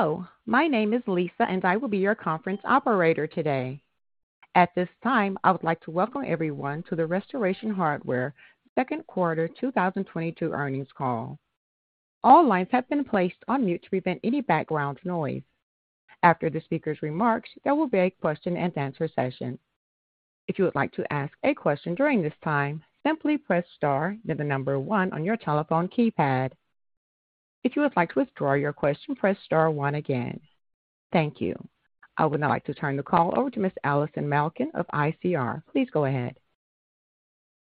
Hello, my name is Lisa and I will be your conference operator today. At this time, I would like to welcome everyone to the Restoration Hardware second quarter 2022 earnings call. All lines have been placed on mute to prevent any background noise. After the speaker's remarks, there will be a question-and-answer session. If you would like to ask a question during this time, simply press Star, then the number one on your telephone keypad. If you would like to withdraw your question, press Star one again. Thank you. I would now like to turn the call over to Ms. Allison Malkin of ICR. Please go ahead.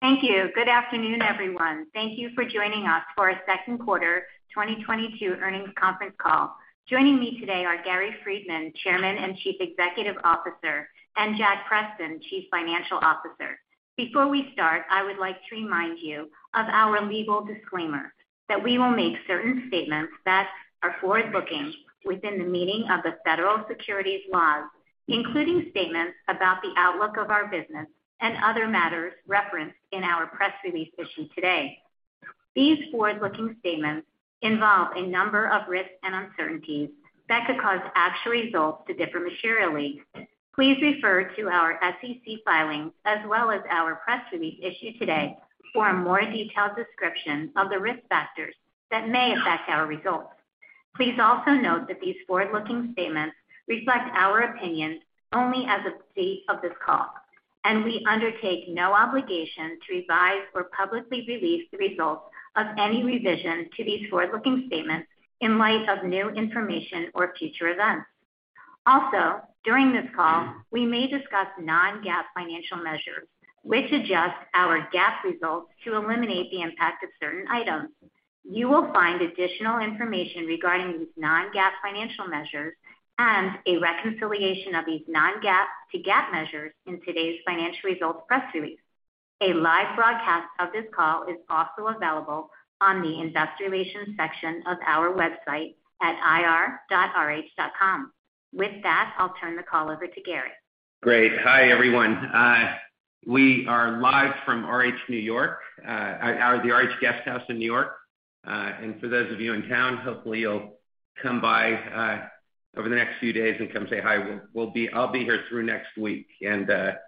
Thank you. Good afternoon, everyone. Thank you for joining us for our second quarter 2022 earnings conference call. Joining me today are Gary Friedman, Chairman and Chief Executive Officer, and Jack Preston, Chief Financial Officer. Before we start, I would like to remind you of our legal disclaimer that we will make certain statements that are forward-looking within the meaning of the federal securities laws, including statements about the outlook of our business and other matters referenced in our press release issued today. These forward-looking statements involve a number of risks and uncertainties that could cause actual results to differ materially. Please refer to our SEC filings as well as our press release issued today for a more detailed description of the risk factors that may affect our results. Please also note that these forward-looking statements reflect our opinions only as of the date of this call, and we undertake no obligation to revise or publicly release the results of any revision to these forward-looking statements in light of new information or future events. Also, during this call, we may discuss non-GAAP financial measures which adjust our GAAP results to eliminate the impact of certain items. You will find additional information regarding these non-GAAP financial measures and a reconciliation of these non-GAAP to GAAP measures in today's financial results press release. A live broadcast of this call is also a vailable on the investor relations section of our website at ir.rh.com. With that, I'll turn the call over to Gary. Great. Hi, everyone. We are live from RH New York at the RH Guesthouse in New York. For those of you in town, hopefully you'll come by over the next few days and come say hi. I'll be here through next week. It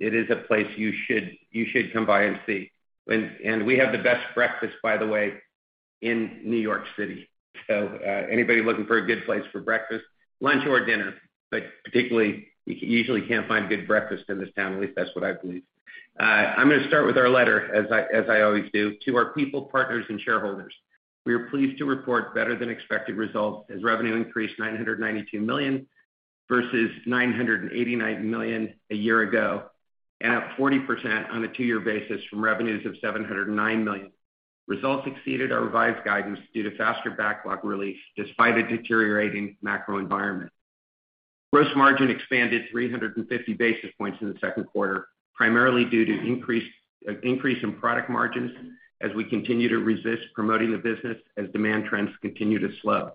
is a place you should come by and see. We have the best breakfast, by the way, in New York City. Anybody looking for a good place for breakfast, lunch or dinner, but particularly you usually can't find good breakfast in this town. At least that's what I believe. I'm gonna start with our letter as I always do. To our people, partners and shareholders, we are pleased to report better than expected results as revenue increased $992 million versus $989 million a year ago, and up 40% on a two-year basis from revenues of $709 million. Results exceeded our revised guidance due to faster backlog release despite a deteriorating macro environment. Gross margin expanded 350 basis points in the second quarter, primarily due to increase in product margins as we continue to resist promoting the business as demand trends continue to slow.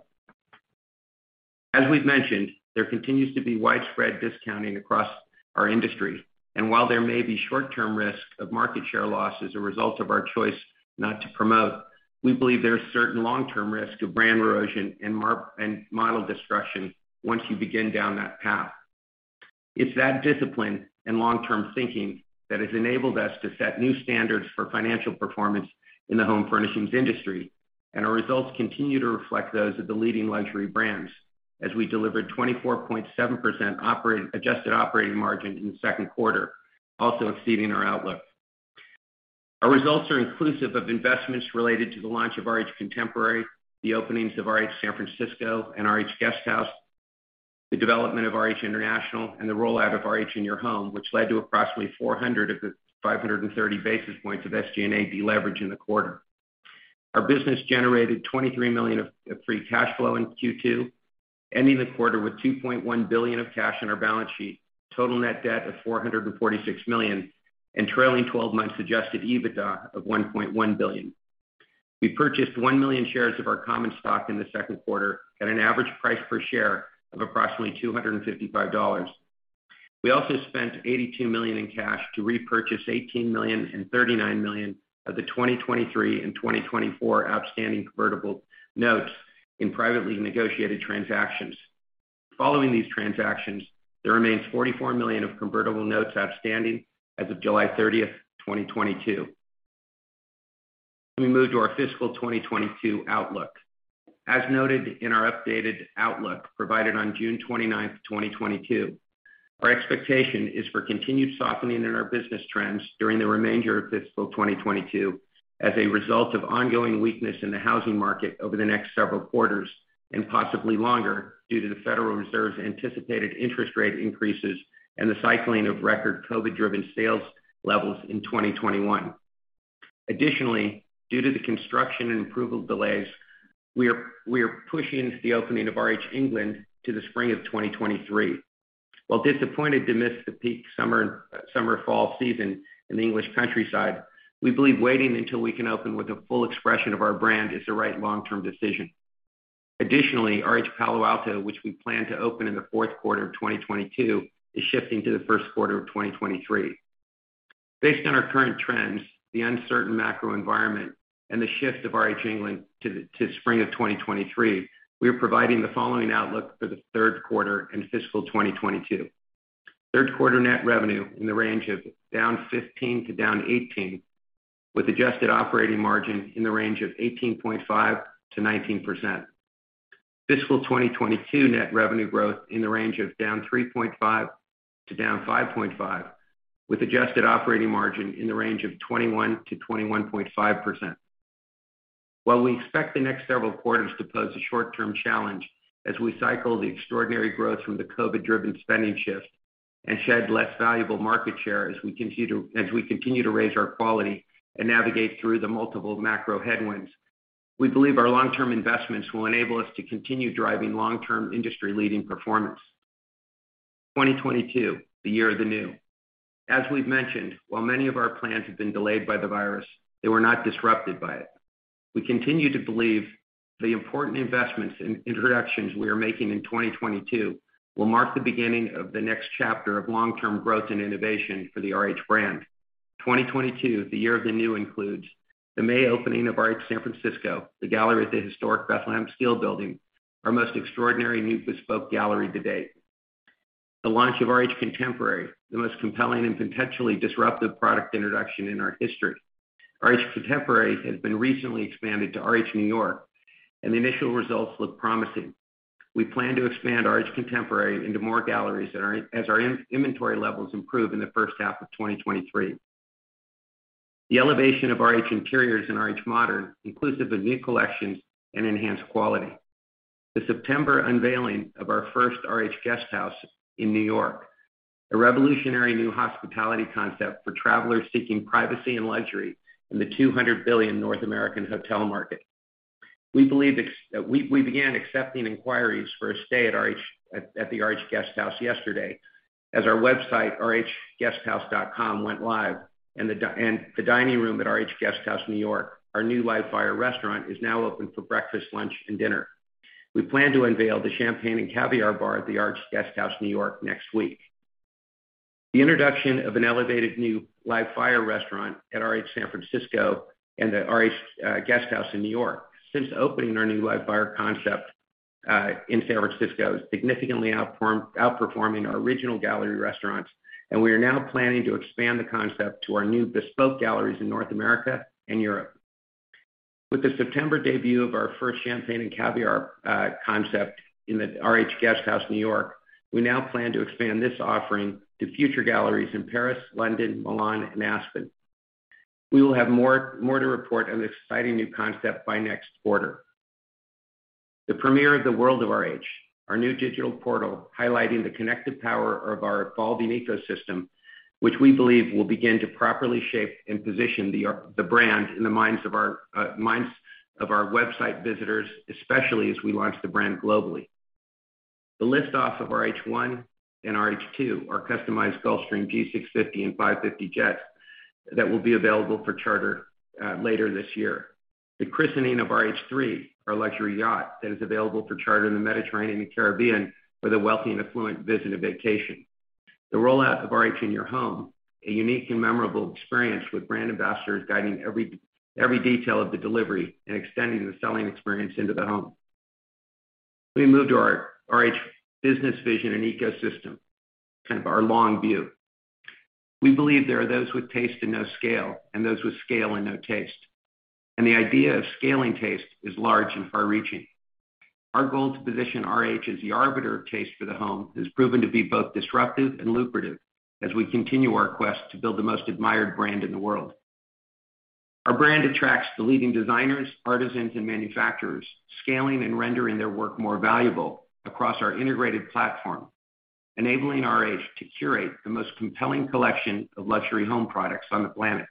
As we've mentioned, there continues to be widespread discounting across our industry, and while there may be short-term risk of market share loss as a result of our choice not to promote, we believe there are certain long-term risks of brand erosion and model destruction once you begin down that path. It's that discipline and long-term thinking that has enabled us to set new standards for financial performance in the home furnishings industry. Our results continue to reflect those of the leading luxury brands as we delivered 24.7% adjusted operating margin in the second quarter, also exceeding our outlook. Our results are inclusive of investments related to the launch of RH Contemporary, the openings of RH San Francisco and RH Guesthouse, the development of RH International, and the rollout of RH In Your Home, which led to approximately 400 of the 530 basis points of SG&A deleverage in the quarter. Our business generated $23 million of free cash flow in Q2, ending the quarter with $2.1 billion of cash on our balance sheet, total net debt of $446 million, and trailing twelve months adjusted EBITDA of $1.1 billion. We purchased 1 million shares of our common stock in the second quarter at an average price per share of approximately $255. We also spent $82 million in cash to repurchase $18 million and $39 million of the 2023 and 2024 outstanding convertible notes in privately negotiated transactions. Following these transactions, there remains $44 million of convertible notes outstanding as of July 30, 2022. Let me move to our fiscal 2022 outlook. As noted in our updated outlook provided on June 29, 2022, our expectation is for continued softening in our business trends during the remainder of fiscal 2022 as a result of ongoing weakness in the housing market over the next several quarters and possibly longer, due to the Federal Reserve's anticipated interest rate increases and the cycling of record COVID-driven sales levels in 2021. Additionally, due to the construction and approval delays, we are pushing the opening of RH England to the spring of 2023. While disappointed to miss the peak summer/fall season in the English countryside, we believe waiting until we can open with a full expression of our brand is the right long-term decision. Additionally, RH Palo Alto, which we plan to open in the fourth quarter of 2022, is shifting to the first quarter of 2023. Based on our current trends, the uncertain macro environment, and the shift of RH England to spring of 2023, we are providing the following outlook for the third quarter and fiscal 2022. Third quarter net revenue in the range of down 15% to down 18%, with adjusted operating margin in the range of 18.5%-19%. Fiscal 2022 net revenue growth in the range of down 3.5% to down 5.5%, with adjusted operating margin in the range of 21%-21.5%. While we expect the next several quarters to pose a short-term challenge as we cycle the extraordinary growth from the COVID-driven spending shift and shed less valuable market share as we continue to raise our quality and navigate through the multiple macro headwinds, we believe our long-term investments will enable us to continue driving long-term industry-leading performance. 2022, the year of the new. As we've mentioned, while many of our plans have been delayed by the virus, they were not disrupted by it. We continue to believe the important investments and introductions we are making in 2022 will mark the beginning of the next chapter of long-term growth and innovation for the RH brand. 2022, the year of the new, includes the May opening of RH San Francisco, the gallery at the historic Bethlehem Steel building, our most extraordinary new bespoke gallery to date. The launch of RH Contemporary, the most compelling and potentially disruptive product introduction in our history. RH Contemporary has been recently expanded to RH New York, and the initial results look promising. We plan to expand RH Contemporary into more galleries as our inventory levels improve in the first half of 2023. The elevation of RH Interiors and RH Modern includes the veneer collections and enhanced quality. The September unveiling of our first RH Guesthouse in New York, a revolutionary new hospitality concept for travelers seeking privacy and luxury in the $200 billion North American hotel market. We began accepting inquiries for a stay at the RH Guesthouse yesterday as our website, rhguesthouse.com went live and the dining room at RH Guesthouse, New York, our new Live Fire restaurant, is now open for breakfast, lunch, and dinner. We plan to unveil the Champagne and Caviar Bar at the RH Guesthouse, New York next week. The introduction of an elevated new Live Fire restaurant at RH San Francisco and the RH Guesthouse in New York. Since opening our new Live Fire concept in San Francisco is significantly outperforming our original gallery restaurants, and we are now planning to expand the concept to our new bespoke galleries in North America and Europe. With the September debut of our first Champagne and Caviar concept in the RH Guesthouse, New York, we now plan to expand this offering to future galleries in Paris, London, Milan, and Aspen. We will have more to report on this exciting new concept by next quarter. The premiere of The World of RH, our new digital portal highlighting the connective power of our evolving ecosystem, which we believe will begin to properly shape and position the brand in the minds of our website visitors, especially as we launch the brand globally. The liftoff of RH One and RH Two, our customized Gulfstream G650 and G550 jets that will be available for charter later this year. The christening of RH Three, our luxury yacht that is available for charter in the Mediterranean and Caribbean, where the wealthy and affluent visit and vacation. The rollout of RH In Your Home, a unique and memorable experience with brand ambassadors guiding every detail of the delivery and extending the selling experience into the home. We move to our RH business vision and ecosystem, kind of our long view. We believe there are those with taste and no scale and those with scale and no taste, and the idea of scaling taste is large and far-reaching. Our goal to position RH as the arbiter of taste for the home has proven to be both disruptive and lucrative as we continue our quest to build the most admired brand in the world. Our brand attracts the leading designers, artisans, and manufacturers, scaling and rendering their work more valuable across our integrated platform, enabling RH to curate the most compelling collection of luxury home products on the planet.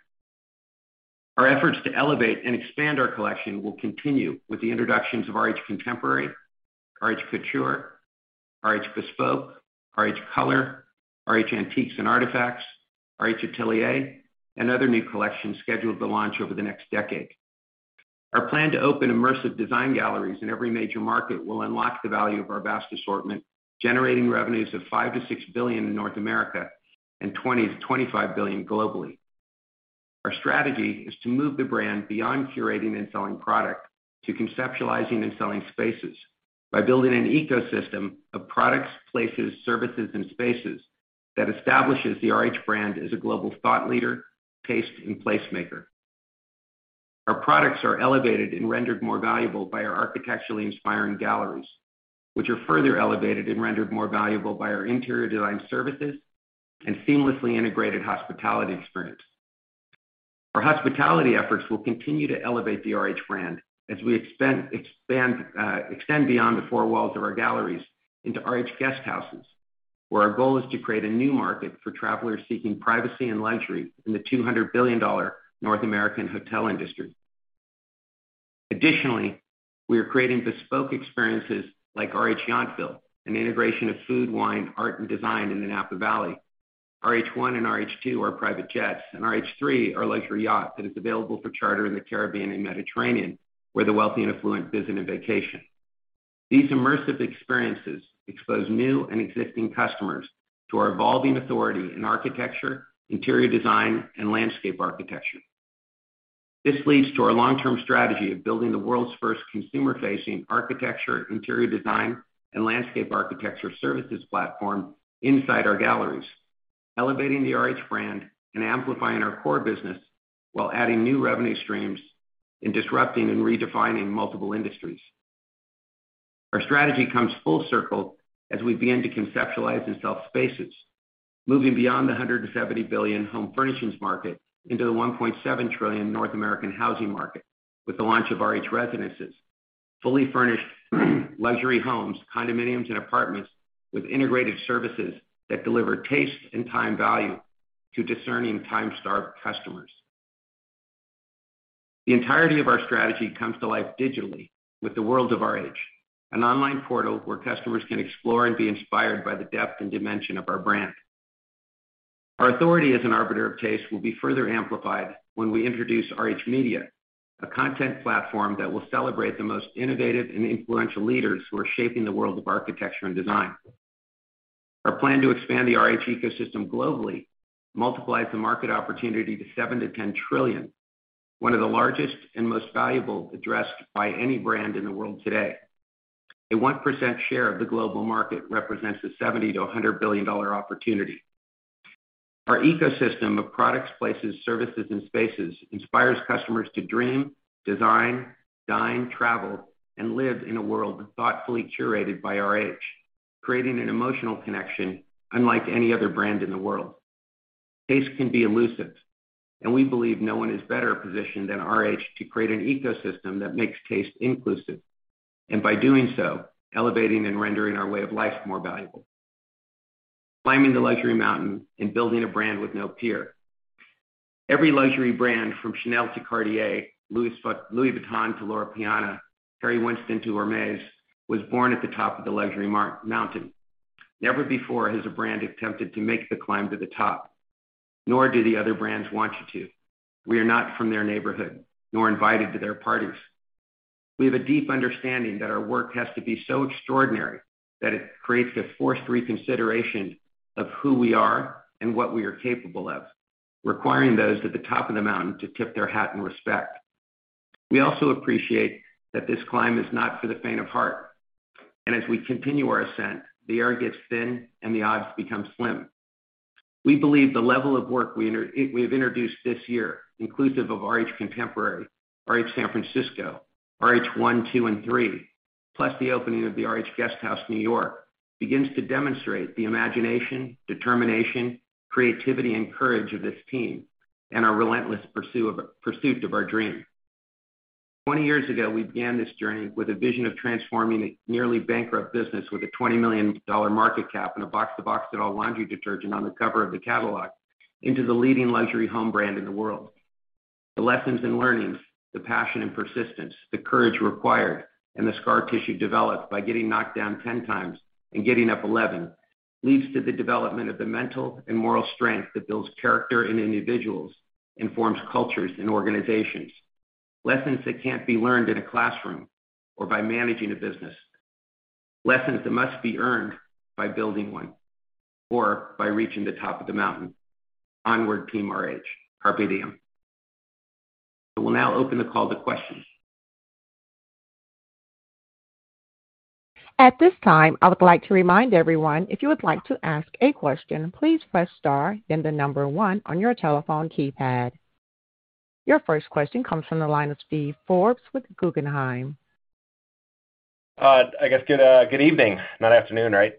Our efforts to elevate and expand our collection will continue with the introductions of RH Contemporary, RH Couture, RH Bespoke, RH Color, RH Antiques & Artifacts, RH Atelier, and other new collections scheduled to launch over the next decade. Our plan to open immersive design galleries in every major market will unlock the value of our vast assortment, generating revenues of $5-$6 billion in North America and $20-$25 billion globally. Our strategy is to move the brand beyond curating and selling product to conceptualizing and selling spaces by building an ecosystem of products, places, services, and spaces that establishes the RH brand as a global thought leader, taste, and placemaker. Our products are elevated and rendered more valuable by our architecturally inspiring galleries, which are further elevated and rendered more valuable by our interior design services and seamlessly integrated hospitality experience. Our hospitality efforts will continue to elevate the RH brand as we extend beyond the four walls of our galleries into RH Guest Houses, where our goal is to create a new market for travelers seeking privacy and luxury in the $200 billion North American hotel industry. Additionally, we are creating bespoke experiences like RH Yountville, an integration of food, wine, art, and design in the Napa Valley. RH One and RH Two are private jets, and RH Three are a luxury yacht that is available for charter in the Caribbean and Mediterranean, where the wealthy and affluent visit and vacation. These immersive experiences expose new and existing customers to our evolving authority in architecture, interior design, and landscape architecture. This leads to our long-term strategy of building the world's first consumer-facing architecture, interior design, and landscape architecture services platform inside our galleries, elevating the RH brand and amplifying our core business while adding new revenue streams and disrupting and redefining multiple industries. Our strategy comes full circle as we begin to conceptualize and sell spaces, moving beyond the $170 billion home furnishings market into the $1.7 trillion North American housing market with the launch of RH Residences, fully furnished luxury homes, condominiums, and apartments with integrated services that deliver taste and time value to discerning time-starved customers. The entirety of our strategy comes to life digitally with The World of RH, an online portal where customers can explore and be inspired by the depth and dimension of our brand. Our authority as an arbiter of taste will be further amplified when we introduce RH Media, a content platform that will celebrate the most innovative and influential leaders who are shaping the world of architecture and design. Our plan to expand the RH ecosystem globally multiplies the market opportunity to $7-10 trillion, one of the largest and most valuable addressed by any brand in the world today. A 1% share of the global market represents a $70-$100 billion opportunity. Our ecosystem of products, places, services, and spaces inspires customers to dream, design, dine, travel, and live in a world thoughtfully curated by RH, creating an emotional connection unlike any other brand in the world. Taste can be elusive, and we believe no one is better positioned than RH to create an ecosystem that makes taste inclusive, and by doing so, elevating and rendering our way of life more valuable. Climbing the luxury mountain and building a brand with no peer. Every luxury brand from Chanel to Cartier, Louis Vuitton to Loro Piana, Harry Winston to Hermès, was born at the top of the luxury mountain. Never before has a brand attempted to make the climb to the top, nor do the other brands want you to. We are not from their neighborhood nor invited to their parties. We have a deep understanding that our work has to be so extraordinary that it creates a forced reconsideration of who we are and what we are capable of, requiring those at the top of the mountain to tip their hat in respect. We also appreciate that this climb is not for the faint of heart, and as we continue our ascent, the air gets thin and the odds become slim. We believe the level of work we have introduced this year, inclusive of RH Contemporary, RH San Francisco, RH One, Two, and Three, plus the opening of the RH Guesthouse New York, begins to demonstrate the imagination, determination, creativity, and courage of this team and our relentless pursuit of our dream. 20 years ago, we began this journey with a vision of transforming a nearly bankrupt business with a $20 million market cap and a box-to-box detergent laundry detergent on the cover of the catalog into the leading luxury home brand in the world. The lessons and learnings, the passion and persistence, the courage required, and the scar tissue developed by getting knocked down 10 times and getting up 11 leads to the development of the mental and moral strength that builds character in individuals and forms cultures in organizations. Lessons that can't be learned in a classroom or by managing a business. Lessons that must be earned by building one or by reaching the top of the mountain. Onward, team RH. Carpe diem. I will now open the call to questions. At this time, I would like to remind everyone if you would like to ask a question, please press star then the number one on your telephone keypad. Your first question comes from the line of Steven Forbes with Guggenheim. I guess, good evening. Not afternoon, right?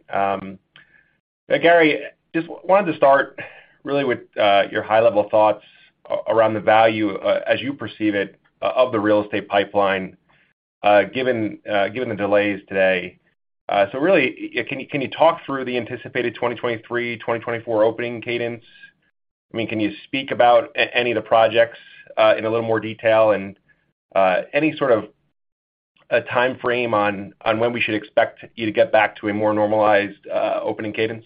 Gary, just wanted to start really with your high-level thoughts around the value, as you perceive it, of the real estate pipeline, given the delays today. Really, can you talk through the anticipated 2023, 2024 opening cadence? I mean, can you speak about any of the projects in a little more detail and any sort of a timeframe on when we should expect you to get back to a more normalized opening cadence?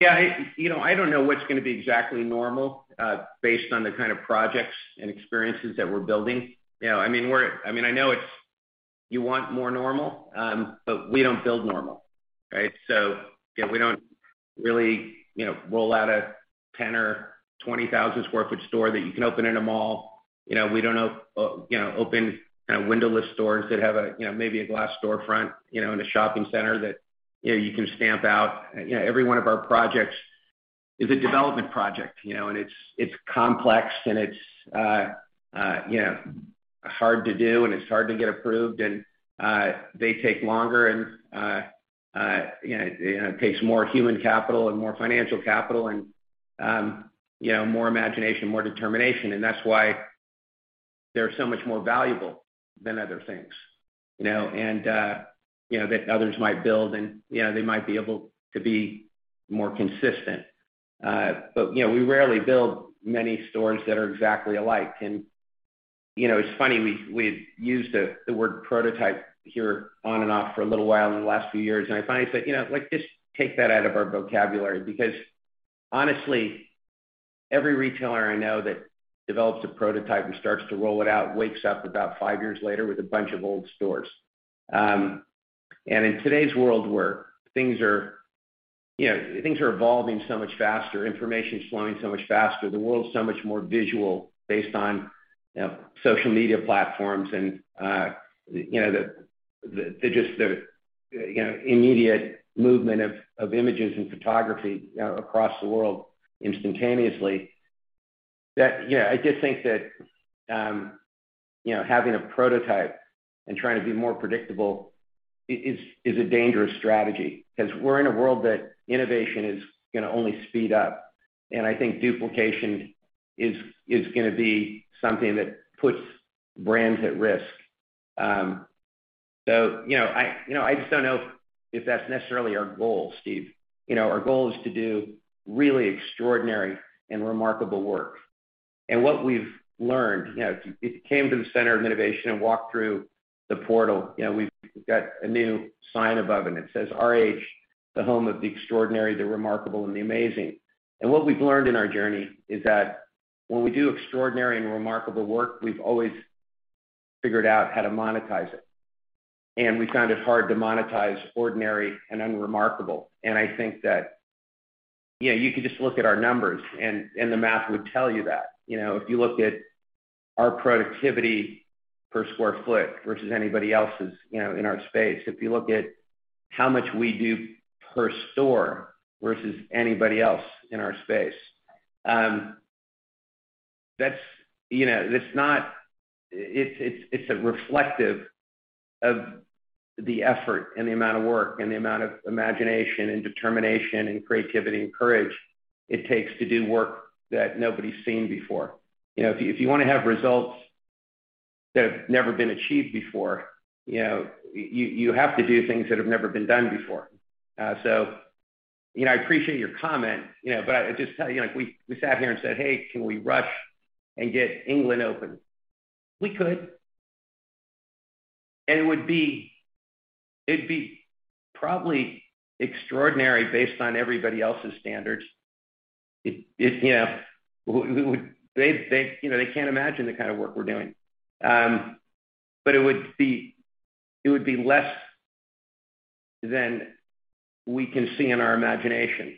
Yeah. I don't know what's going to be exactly normal, based on the kind of projects and experiences that we're building. You know, I mean, I know it's you want more normal, but we don't build normal, right? We don't really, you know, roll out a 10- or 20,000-square-foot store that you can open in a mall. We don't, you know, open kind of windowless stores that have a, you know, maybe a glass door front, you know, in a shopping center that, you know, you can stamp out. Every one of our projects is a development project, you know, and it's complex and it's, you know, hard to do and it's hard to get approved and, you know, it takes longer and, you know, more human capital and more financial capital and, you know, more imagination, more determination. That's why they're so much more valuable than other things, you know, and, you know, that others might build and, you know, they might be able to be more consistent. You know, we rarely build many stores that are exactly alike. It's funny, we used the word prototype here on and off for a little while in the last few years. I finally said, "You know, let's just take that out of our vocabulary," because honestly. Every retailer I know that develops a prototype and starts to roll it out wakes up about five years later with a bunch of old stores. And in today's world where things are, you know, things are evolving so much faster, information is flowing so much faster, the world is so much more visual based on, you know, social media platforms and, you know, the just the, you know, immediate movement of images and photography across the world instantaneously, that, you know, I just think that, you know, having a prototype and trying to be more predictable is a dangerous strategy because we're in a world that innovation is going to only speed up, and I think duplication is going to be something that puts brands at risk. I just don't know if that's necessarily our goal, Steve. You know, our goal is to do really extraordinary and remarkable work. What we've learned, you know, if you came to the center of innovation and walked through the portal, you know, we've got a new sign above, and it says, "RH, the home of the extraordinary, the remarkable, and the amazing." What we've learned in our journey is that when we do extraordinary and remarkable work, we've always figured out how to monetize it, and we found it hard to monetize ordinary and unremarkable. I think that, you know, you could just look at our numbers and the math would tell you that. You know, if you looked at our productivity per sq ft versus anybody else's, you know, in our space. If you look at how much we do per store versus anybody else in our space, you know, that's not. It's reflective of the effort and the amount of work and the amount of imagination and determination and creativity and courage it takes to do work that nobody's seen before. You know, if you want to have results that have never been achieved before, you know, you have to do things that have never been done before. I appreciate your comment, you know, but I just tell you, like we sat here and said, "Hey, can we rush and get England open?" We could. It'd be probably extraordinary based on everybody else's standards. You know, we would. They can't imagine the kind of work we're doing. It would be less than we can see in our imagination.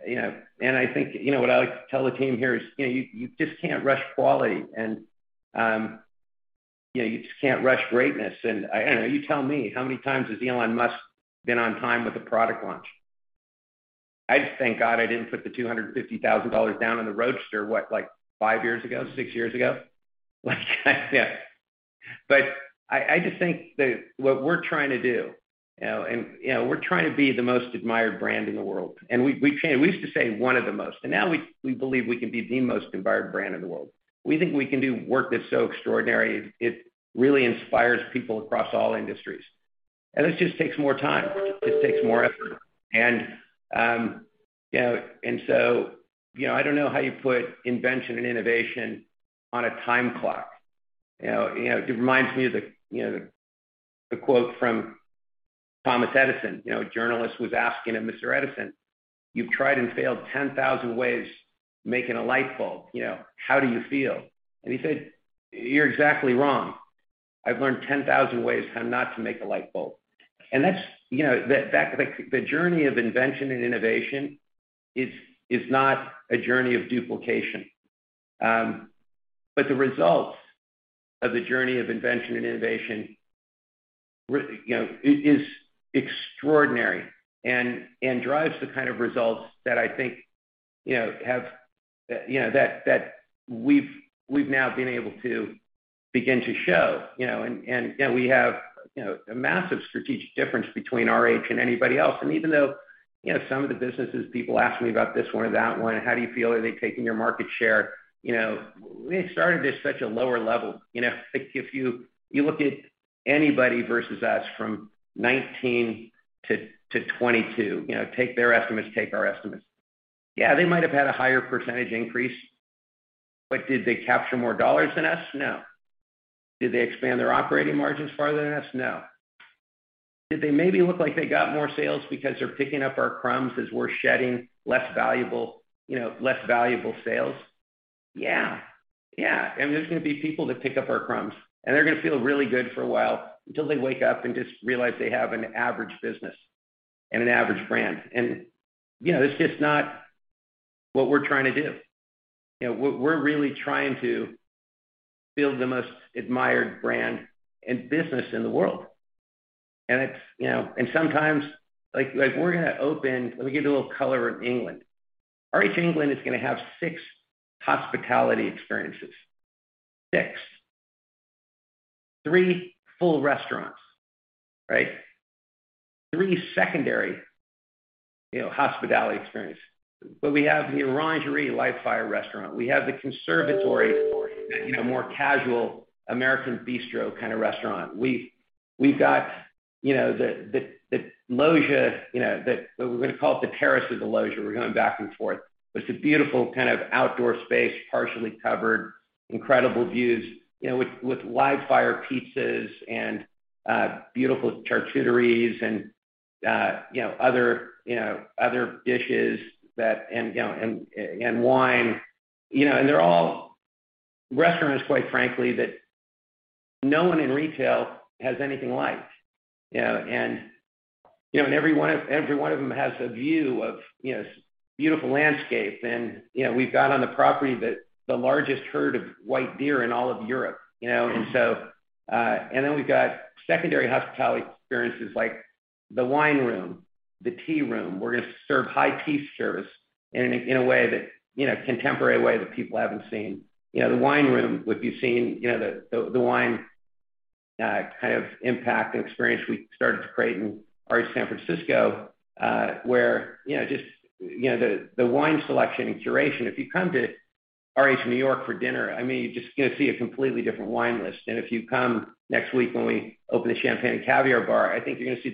I think, you know what I like to tell the team here is, you know, you just can't rush quality and, you know, you just can't rush greatness. I don't know, you tell me, how many times has Elon Musk been on time with a product launch? I just thank God I didn't put the $250,000 down on the Roadster, what, like five years ago, six years ago? Like, you know. I just think that what we're trying to do, you know, and, you know, we're trying to be the most admired brand in the world, and we can. We used to say one of the most, and now we believe we can be the most admired brand in the world. We think we can do work that's so extraordinary, it really inspires people across all industries. It just takes more time. It takes more effort. I don't know how you put invention and innovation on a time clock. You know, it reminds me of the quote from Thomas Edison. You know, a journalist was asking him, "Mr. Edison, you've tried and failed 10,000 ways making a light bulb, how do you feel?" He said, "You're exactly wrong. I've learned 10,000 ways how not to make a light bulb." That's, you know, the journey of invention and innovation is not a journey of duplication. The results of the journey of invention and innovation, you know, is extraordinary and drives the kind of results that I think, you know, have, you know, that we've now been able to begin to show. You know, you know, we have, you know, a massive strategic difference between RH and anybody else. Even though, you know, some of the businesses, people ask me about this one or that one, how do you feel? Are they taking your market share? You know, we started at such a lower level. If you look at anybody versus us from 2019 to 2022, you know, take their estimates, take our estimates. Yeah, they might have had a higher percentage increase, but did they capture more dollars than us? No. Did they expand their operating margins farther than us? No. Did they maybe look like they got more sales because they're picking up our crumbs as we're shedding less valuable, you know, less valuable sales? Yeah. Yeah. I mean, there's going to be people that pick up our crumbs, and they're going to feel really good for a while until they wake up and just realize they have an average business and an average brand. You know, that's just not what we're trying to do. You know, we're really trying to build the most admired brand and business in the world. It's, you know, sometimes, like, we're going to open. Let me give you a little color in England. RH England is going to have six hospitality experiences. Six. Three full restaurants. Right? Three secondary, you know, hospitality experience, but we have The Orangery Live Fire restaurant. We have The Conservatory, you know, more casual American bistro kind of restaurant. We've got, you know, The Loggia, you know. We're going to call it the Terrace of The Loggia. We're going back and forth. But it's a beautiful kind of outdoor space, partially covered, incredible views, you know, with live fire pizzas and beautiful charcuterie and, you know, other dishes and wine, you know. They're all restaurants, quite frankly, that no one in retail has anything like, you know. Every one of them has a view of, you know, beautiful landscape. We've got on the property the largest herd of white deer in all of Europe, you know. We've got secondary hospitality experiences like the wine room, the tea room. We're gonna serve high tea service in a way that, you know, contemporary way that people haven't seen. You know, the wine room would be seen, you know, the wine kind of impact and experience we started to create in RH San Francisco, where, you know, just, you know, the wine selection and curation. If you come to RH New York for dinner, I mean, you're just gonna see a completely different wine list. If you come next week when we open the Champagne and Caviar Bar, I think you're gonna see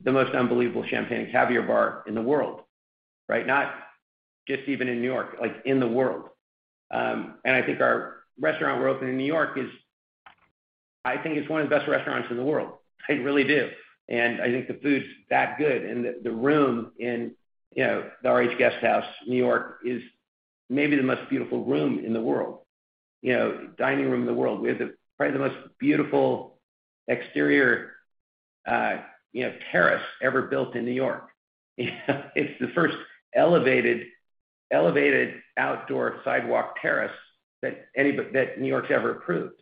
the most unbelievable champagne and caviar bar in the world, right? Not just even in New York, like in the world. I think our restaurant we're opening in New York is I think it's one of the best restaurants in the world. I really do. I think the food's that good and the room in, you know, the RH Guesthouse New York is maybe the most beautiful room in the world. You know, dining room in the world. We have the probably the most beautiful exterior, you know, terrace ever built in New York. You know, it's the first elevated outdoor sidewalk terrace that New York's ever approved.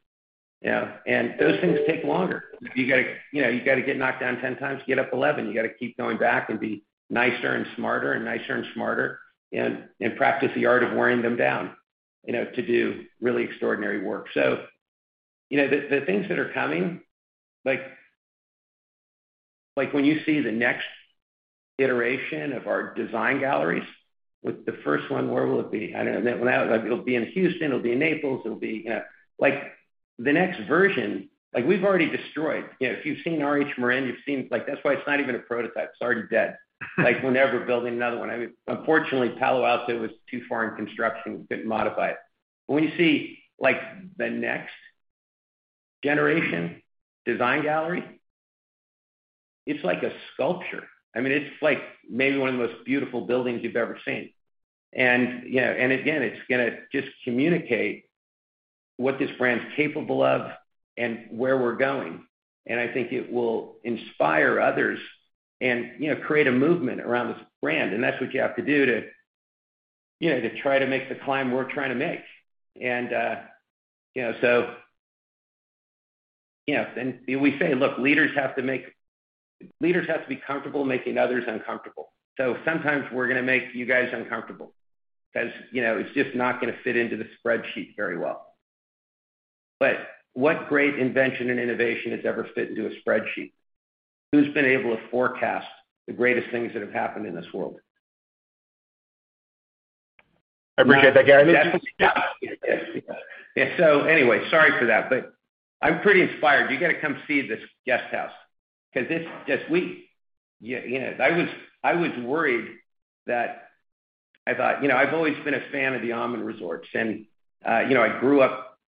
You know, those things take longer. You gotta, you know, get knocked down 10 times, you get up 11. You gotta keep going back and be nicer and smarter. And practice the art of wearing them down, you know, to do really extraordinary work. The things that are coming, like when you see the next iteration of our design galleries with the first one, where will it be? I don't know. That one. It'll be in Houston, it'll be in Naples, it'll be. Like, the next version, like we've already destroyed. You know, if you've seen RH Marin, you've seen. Like that's why it's not even a prototype. It's already dead. Like, we're never building another one. I mean, unfortunately, Palo Alto was too far in construction. We couldn't modify it. When you see like the next generation design gallery, it's like a sculpture. I mean, it's like maybe one of the most beautiful buildings you've ever seen. Again, it's gonna just communicate what this brand's capable of and where we're going. I think it will inspire others and, you know, create a movement around this brand. That's what you have to do to, you know, to try to make the climb we're trying to make. You know, we say, "Look, leaders have to be comfortable making others uncomfortable." Sometimes we're gonna make you guys uncomfortable 'cause, you know, it's just not gonna fit into the spreadsheet very well. What great invention and innovation has ever fit into a spreadsheet? Who's been able to forecast the greatest things that have happened in this world? I appreciate that, Gary. Definitely not. Yeah. Anyway, sorry for that, but I'm pretty inspired. You gotta come see this guest house 'cause Yeah, you know, I was worried. I thought, you know, I've always been a fan of the Aman Resorts and, you know,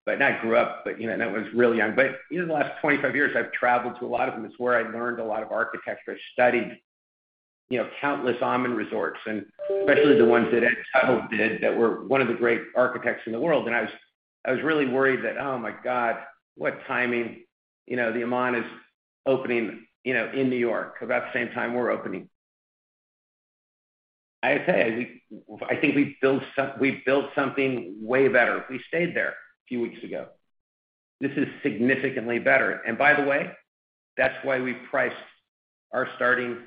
when I was really young. In the last 25 years I've traveled to a lot of them. It's where I learned a lot of architecture. I studied, you know, countless Aman Resorts, and especially the ones that Ed Tuttle did, who was one of the great architects in the world. I was really worried that, "Oh my God, what timing. The Aman is opening, you know, in New York about the same time we're opening. I say, I think we've built something way better. We stayed there a few weeks ago. This is significantly better. By the way, that's why we priced our starting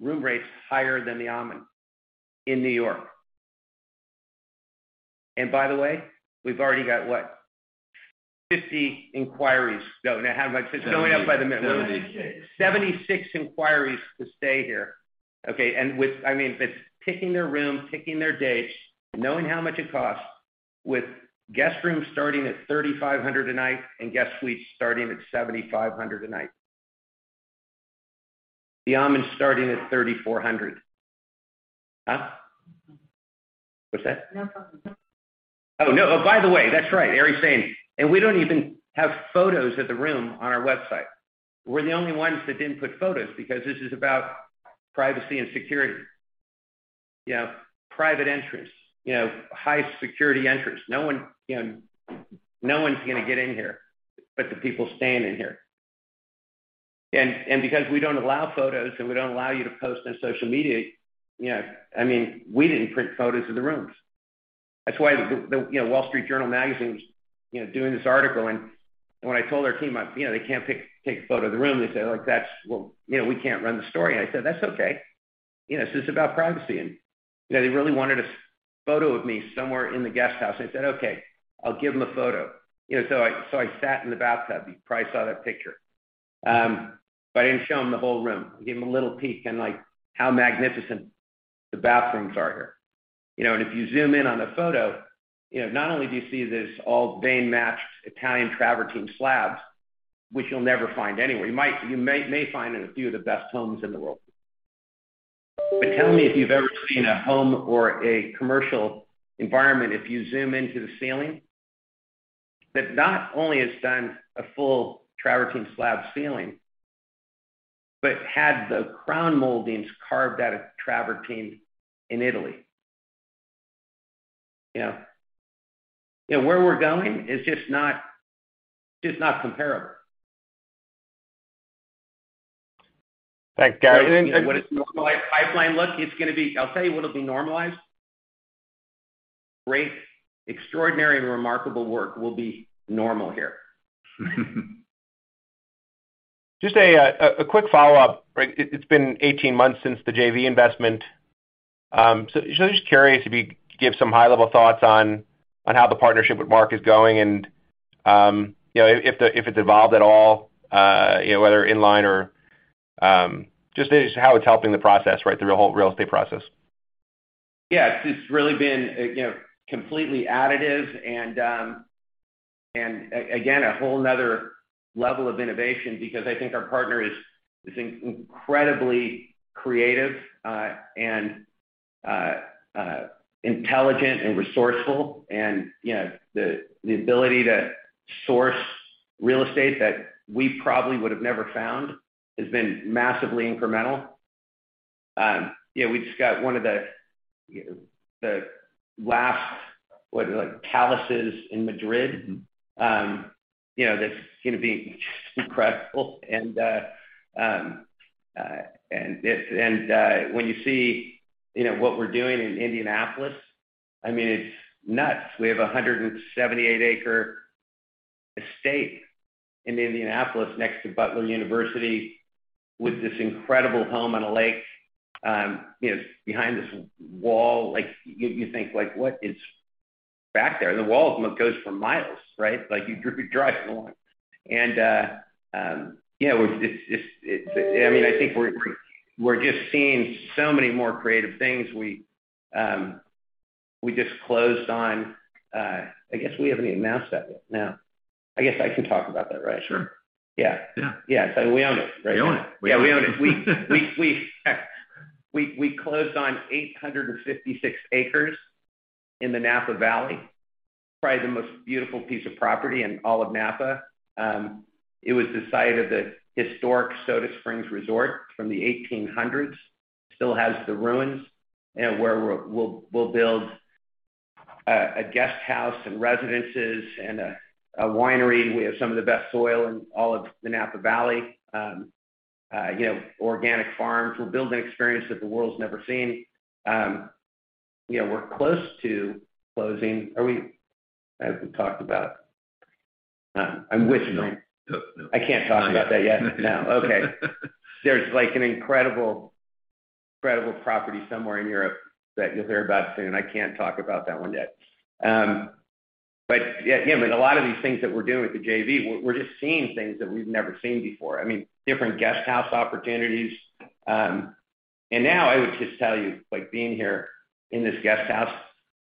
room rates higher than the Aman in New York. By the way, we've already got, what? 50 inquiries. No, now how much? It's going up by the minute. 70. 76. 76 inquiries to stay here, okay. With, I mean, it's picking their room, picking their dates, knowing how much it costs with guest rooms starting at $3,500 a night and guest suites starting at $7,500 a night. The Aman's starting at $3,400. Huh? What's that? No problem. Ari's saying. We don't even have photos of the room on our website. We're the only ones that didn't put photos because this is about privacy and security. You know, private entrance, you know, high security entrance. No one, you know, no one's gonna get in here but the people staying in here. Because we don't allow photos, and we don't allow you to post on social media, you know, I mean, we didn't print photos of the rooms. That's why the, you know, Wall Street Journal magazine was, you know, doing this article and when I told our team, you know, they can't take a photo of the room, they say like, "Well, you know, we can't run the story." I said, "That's okay. You know, this is about privacy. They really wanted a photo of me somewhere in the Guesthouse, and I said, "Okay, I'll give them a photo." You know, so I sat in the bathtub. You probably saw that picture. But I didn't show them the whole room. I gave them a little peek in like how magnificent the bathrooms are here. You know, if you zoom in on the photo, you know, not only do you see this all vein-matched Italian travertine slabs, which you'll never find anywhere, you may find in a few of the best homes in the world. Tell me if you've ever seen a home or a commercial environment, if you zoom into the ceiling, that not only has done a full travertine slab ceiling, but had the crown moldings carved out of travertine in Italy. You know, where we're going is just not comparable. Thanks, Gary. What does normalized pipeline look like? I'll tell you what it'll be, normalized. Great, extraordinary, and remarkable work will be normal here. Just a quick follow-up. It's been 18 months since the JV investment. Just curious if you could give some high-level thoughts on how the partnership with Mark is going and, you know, if it's evolved at all, you know, whether in line or just how it's helping the process, right? The whole real estate process. Yeah. It's just really been, you know, completely additive and again, a whole another level of innovation because I think our partner is incredibly creative and intelligent and resourceful. The ability to source real estate that we probably would have never found has been massively incremental. Yeah, we just got one of the last, what, like palaces in Madrid, you know, that's gonna be just incredible. When you see, you know, what we're doing in Indianapolis, I mean, it's nuts. We have a 178-acre estate in Indianapolis next to Butler University with this incredible home on a lake, you know, behind this wall. Like, you think, like, what is back there? The wall goes for miles, right? Like, you drive along. I mean, I think we're just seeing so many more creative things. We just closed on. I guess we haven't even announced that yet. No. I guess I can talk about that, right? Sure. Yeah. Yeah. Yeah. We own it, right? You own it. Yeah, we own it. We closed on 856 acres in the Napa Valley, probably the most beautiful piece of property in all of Napa. It was the site of the historic Soda Springs Resort from the 1800s. Still has the ruins, where we'll build a guest house and residences and a winery. We have some of the best soil in all of the Napa Valley. Organic farms. We're building an experience that the world's never seen. We're close to closing. Are we? Have we talked about? I'm wishing. No. I can't talk about that yet? No. Okay. There's like an incredible property somewhere in Europe that you'll hear about soon. I can't talk about that one yet. Yeah. A lot of these things that we're doing with the JV, we're just seeing things that we've never seen before. I mean, different guest house opportunities. Now I would just tell you, like, being here in this guest house,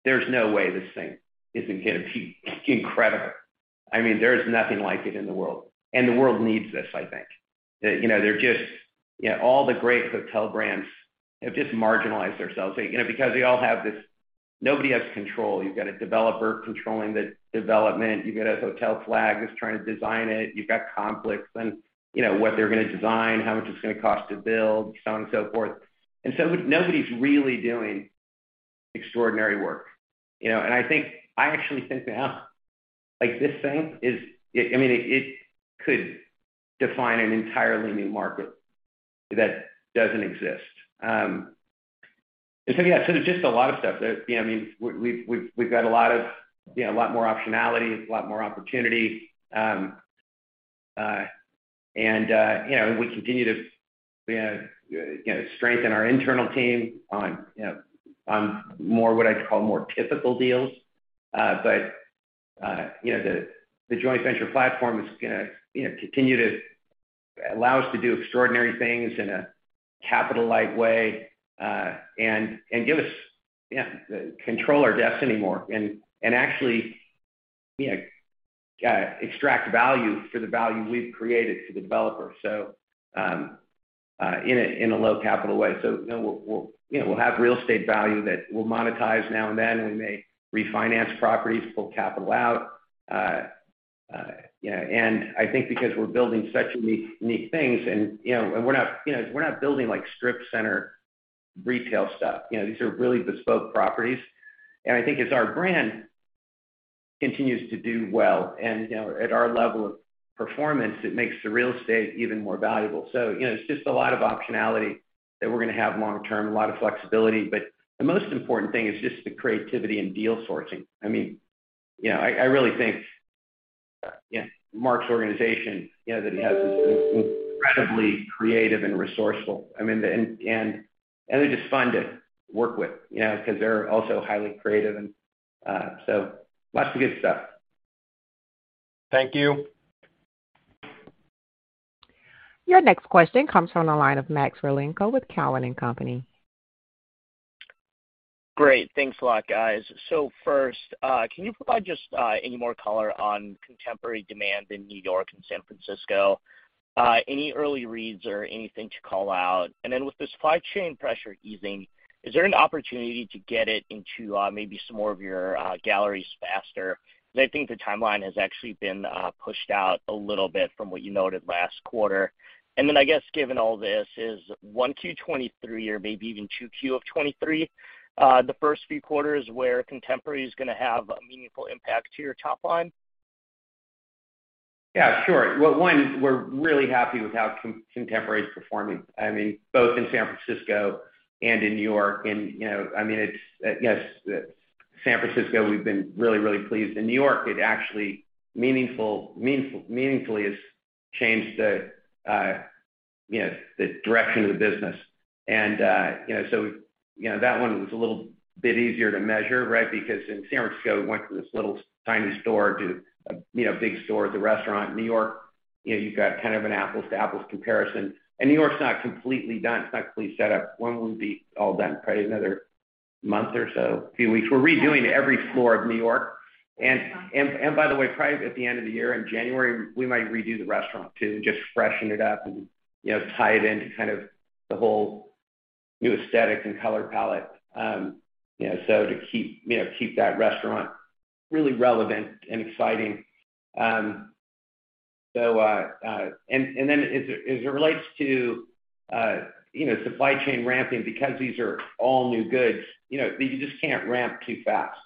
there's no way this thing isn't gonna be incredible. I mean, there's nothing like it in the world, and the world needs this, I think. You know, they're just you know, all the great hotel brands have just marginalized themselves, you know, because they all have this nobody has control. You've got a developer controlling the development. You've got a hotel flag that's trying to design it. You've got conflicts on, you know, what they're gonna design, how much it's gonna cost to build, so on and so forth. Nobody's really doing extraordinary work, you know? I actually think now, like, this thing is. I mean, it could define an entirely new market that doesn't exist. Yeah. There's just a lot of stuff that, you know. I mean, we've got a lot of, you know, a lot more optionality, a lot more opportunity. We continue to, you know, strengthen our internal team on, you know, on more what I'd call more typical deals. You know, the joint venture platform is gonna continue to allow us to do extraordinary things in a capital-light way, and give us, you know, control our destiny more and actually, you know, extract value for the value we've created to the developer, so in a low capital way. We'll have real estate value that we'll monetize now and then. We may refinance properties, pull capital out. You know, I think because we're building such unique things and, you know, and we're not, you know, we're not building, like, strip center retail stuff. You know, these are really bespoke properties. I think as our brand continues to do well and, you know, at our level of performance, it makes the real estate even more valuable. You know, it's just a lot of optionality that we're gonna have long term, a lot of flexibility. The most important thing is just the creativity and deal sourcing. I mean, you know, I really think, you know, Mark's organization, you know, that he has is incredibly creative and resourceful. I mean, and they're just fun to work with, you know, because they're also highly creative. Lots of good stuff. Thank you. Your next question comes from the line of Max Rakhlenko with TD Cowen. Great. Thanks a lot, guys. First, can you provide just any more color on contemporary demand in New York and San Francisco? Any early reads or anything to call out? With the supply chain pressure easing, is there an opportunity to get it into maybe some more of your galleries faster? Because I think the timeline has actually been pushed out a little bit from what you noted last quarter. I guess given all this is 1Q 2023 or maybe even 2Q of 2023, the first few quarters where contemporary is gonna have a meaningful impact to your top line. Yeah, sure. Well, one, we're really happy with how Contemporary is performing. I mean, both in San Francisco and in New York. Yes, San Francisco we've been really, really pleased. In New York, it actually meaningfully has changed the direction of the business. That one was a little bit easier to measure, right? Because in San Francisco, we went from this little tiny store to a big store with a restaurant. In New York, you've got kind of an apples-to-apples comparison. New York's not completely done. It's not completely set up. When will it be all done? Probably another month or so, a few weeks. We're redoing every floor of New York. By the way, probably at the end of the year in January, we might redo the restaurant to just freshen it up and, you know, tie it into kind of the whole new aesthetic and color palette. You know, so to keep you know keep that restaurant really relevant and exciting. Then as it relates to you know supply chain ramping, because these are all new goods, you know, you just can't ramp too fast.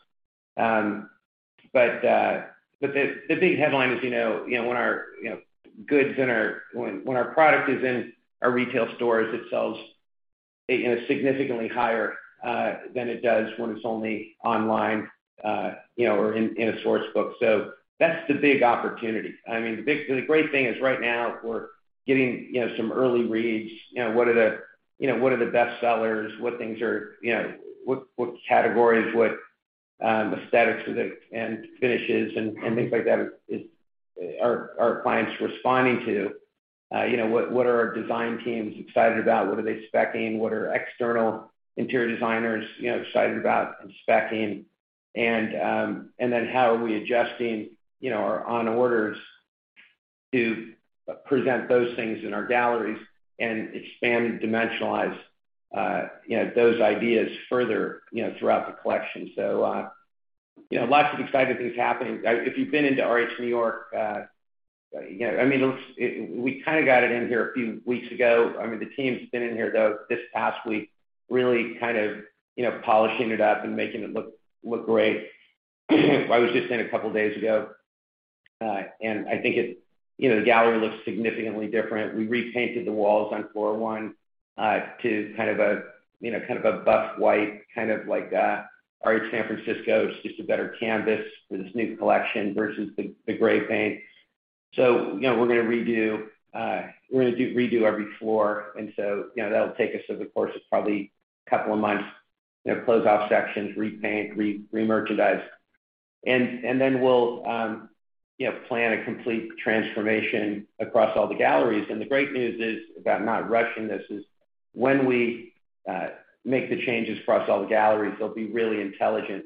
The big headline is, you know, when our product is in our retail stores, it sells in a significantly higher than it does when it's only online, you know, or in a source book. That's the big opportunity. I mean, the big. The great thing is right now we're getting, you know, some early reads, you know, what are the best sellers, what things are, you know, what categories, what aesthetics and finishes and things like that are our clients responding to. You know, what are our design teams excited about? What are they spec'ing? What are external interior designers, you know, excited about and spec'ing? And then how are we adjusting, you know, our assortments to present those things in our galleries and expand and dimensionalize those ideas further, you know, throughout the collection. You know, lots of exciting things happening. If you've been into RH New York, you know, I mean, it looks. We kind of got it in here a few weeks ago. I mean, the team's been in here, though, this past week, really kind of, you know, polishing it up and making it look great. I was just in a couple of days ago, and I think it's you know, the gallery looks significantly different. We repainted the walls on floor one to kind of a, you know, kind of a buff white, kind of like RH San Francisco. It's just a better canvas for this new collection versus the gray paint. You know, we're gonna redo every floor. Then we'll, you know, plan a complete transformation across all the galleries. The great news is about not rushing. This is when we make the changes across all the galleries. They'll be really intelligent,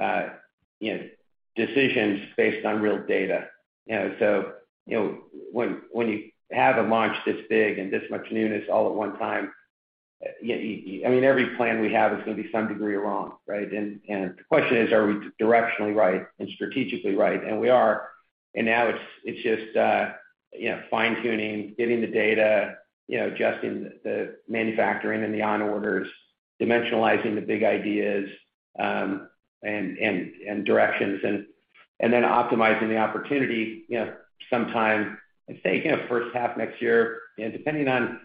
you know, decisions based on real data. You know, when you have a launch this big and this much newness all at one time, I mean, every plan we have is gonna be some degree wrong, right? The question is, are we directionally right and strategically right? We are. Now it's just, you know, fine-tuning, getting the data, you know, adjusting the manufacturing and the on orders, dimensionalizing the big ideas, and directions, and then optimizing the opportunity, you know, sometime. Let's say, you know, first half next year. Depending on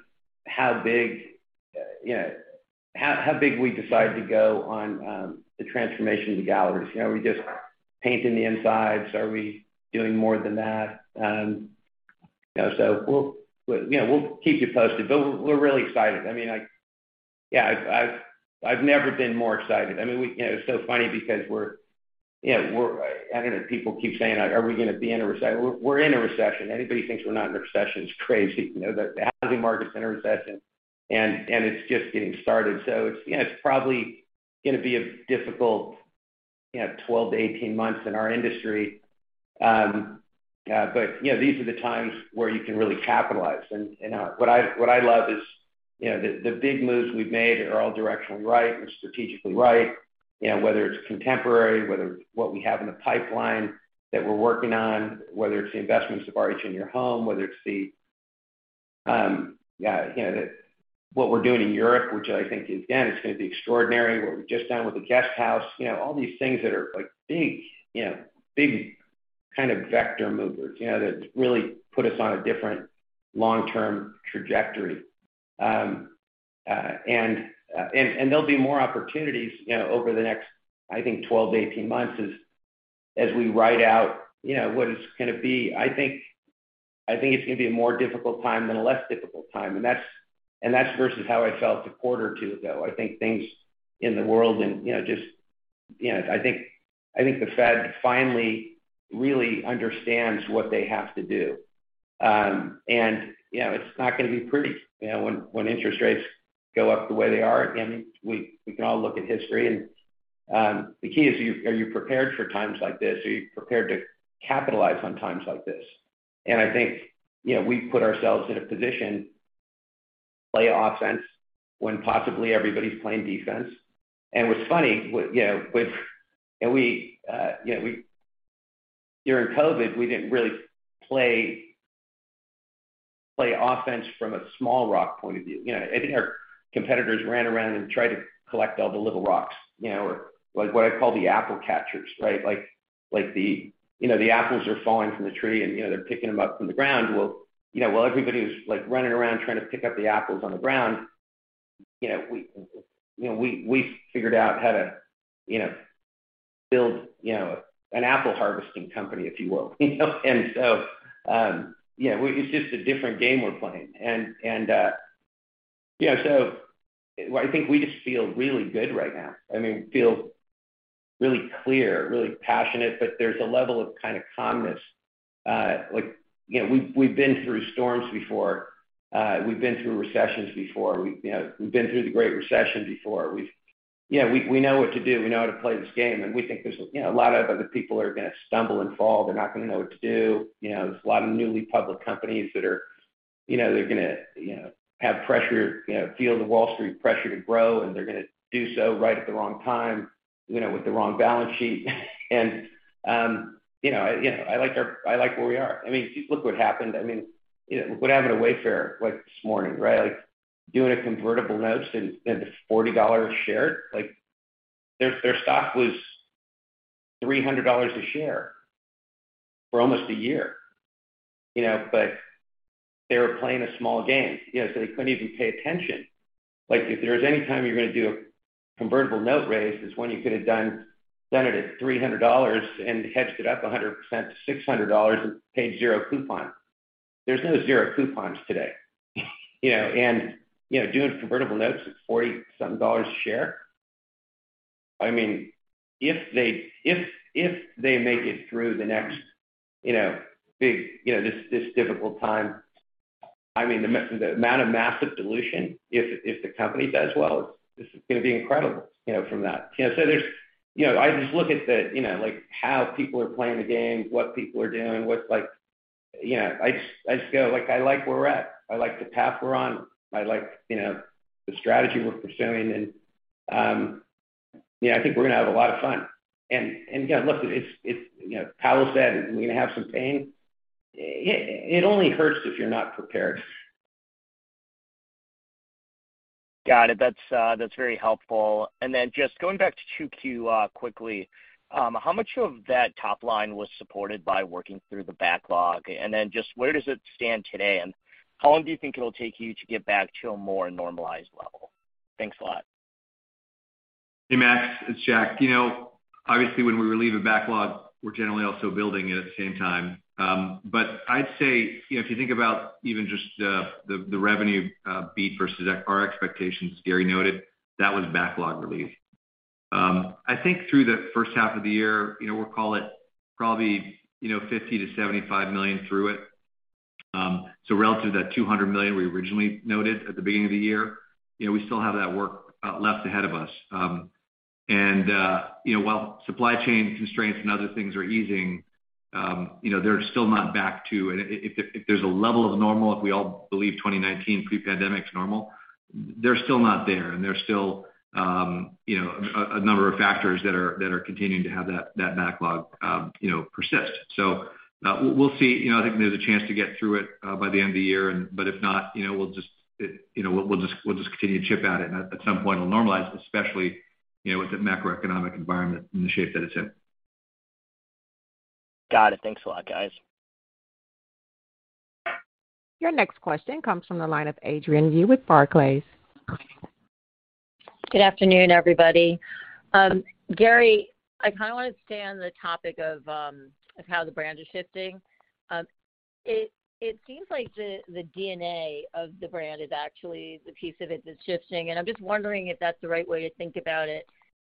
how big you know how big we decide to go on the transformation of the galleries. You know, are we just painting the insides? Are we doing more than that? You know, we'll keep you posted. We're really excited. I mean, yeah, I've never been more excited. I mean, you know, it's so funny because we're. I mean, people keep saying, "Are we gonna be in a recession?" We're in a recession. Anybody who thinks we're not in a recession is crazy. You know, the housing market's in a recession, and it's just getting started. You know, it's probably gonna be a difficult 12-18 months in our industry. These are the times where you can really capitalize. What I love is, you know, the big moves we've made are all directionally right and strategically right. You know, whether it's contemporary, whether it's what we have in the pipeline that we're working on, whether it's the investments in RH In Your Home, whether it's, you know, what we're doing in Europe, which I think, again, is gonna be extraordinary. What we've just done with the Guesthouse. You know, all these things that are, like, big, you know, big kind of vector movers, you know, that really put us on a different long-term trajectory. There'll be more opportunities, you know, over the next, I think, 12-18 months as we ride out, you know, what it's gonna be. I think it's gonna be a more difficult time than a less difficult time, and that's versus how I felt a quarter or two ago. I think things in the world and, you know, you know, I think the Fed finally really understands what they have to do. You know, it's not gonna be pretty, you know, when interest rates go up the way they are. I mean, we can all look at history and, the key is, are you prepared for times like this? Are you prepared to capitalize on times like this? I think, you know, we put ourselves in a position to play offense when possibly everybody's playing defense. What's funny. During COVID, we didn't really play offense from a small-rock point of view. I think our competitors ran around and tried to collect all the little rocks, you know, or like what I call the apple catchers, right? Like the, you know, the apples are falling from the tree and, you know, they're picking them up from the ground. Well, you know, while everybody was like running around trying to pick up the apples on the ground, you know, we figured out how to, you know, build, you know, an apple harvesting company, if you will, you know? You know, I think we just feel really good right now. I mean, feel really clear, really passionate, but there's a level of kind of calmness. Like, you know, we've been through storms before. We've been through recessions before. We've, you know, been through the Great Recession before. You know, we know what to do. We know how to play this game, and we think there's, you know, a lot of other people are gonna stumble and fall. They're not gonna know what to do. You know, there's a lot of newly public companies that are, you know, they're gonna, you know, have pressure, you know, feel the Wall Street pressure to grow, and they're gonna do so right at the wrong time, you know, with the wrong balance sheet. You know, I like where we are. I mean, just look what happened. I mean, you know, what happened to Wayfair, like, this morning, right? Like, doing a convertible notes and it's $40 a share. Like, their stock was $300 a share for almost a year, you know, but they were playing a small game, you know, so they couldn't even pay attention. Like, if there's any time you're gonna do a convertible note raise is when you could've done it at $300 and hedged it up 100% to $600 and paid zero coupon. There's no zero coupons today, you know. You know, doing convertible notes at $40-something a share, I mean, if they make it through the next big difficult time, I mean, the amount of massive dilution if the company does well, it's just gonna be incredible, you know, from that. I just look at the, you know, like how people are playing the game, what people are doing, what's. You know, I just go like, I like where we're at. I like the path we're on. I like the strategy we're pursuing, you know, I think we're gonna have a lot of fun. Again, look, it's. You know, Powell said we're gonna have some pain. It only hurts if you're not prepared. Got it. That's very helpful. Then just going back to 2Q, quickly, how much of that top line was supported by working through the backlog? Then just where does it stand today, and how long do you think it'll take you to get back to a more normalized level? Thanks a lot. Hey, Max, it's Jack. You know, obviously, when we relieve a backlog, we're generally also building it at the same time. I'd say, you know, if you think about even just the revenue beat versus our expectations, Gary noted that was backlog relief. I think through the first half of the year, you know, we'll call it probably, you know, $50-$75 million through it. Relative to that $200 million we originally noted at the beginning of the year, you know, we still have that work left ahead of us. You know, while supply chain constraints and other things are easing, you know, they're still not back to. If there's a level of normal, if we all believe 2019 pre-pandemic's normal, they're still not there, and there's still you know a number of factors that are continuing to have that backlog you know persist. We'll see. I think there's a chance to get through it by the end of the year and if not, you know, we'll just continue to chip at it, and at some point it'll normalize, especially you know with the macroeconomic environment in the shape that it's in. Got it. Thanks a lot, guys. Your next question comes from the line of Adrienne Yih with Barclays. Good afternoon, everybody. Gary, I kinda wanna stay on the topic of how the brand is shifting. It seems like the DNA of the brand is actually the piece of it that's shifting, and I'm just wondering if that's the right way to think about it.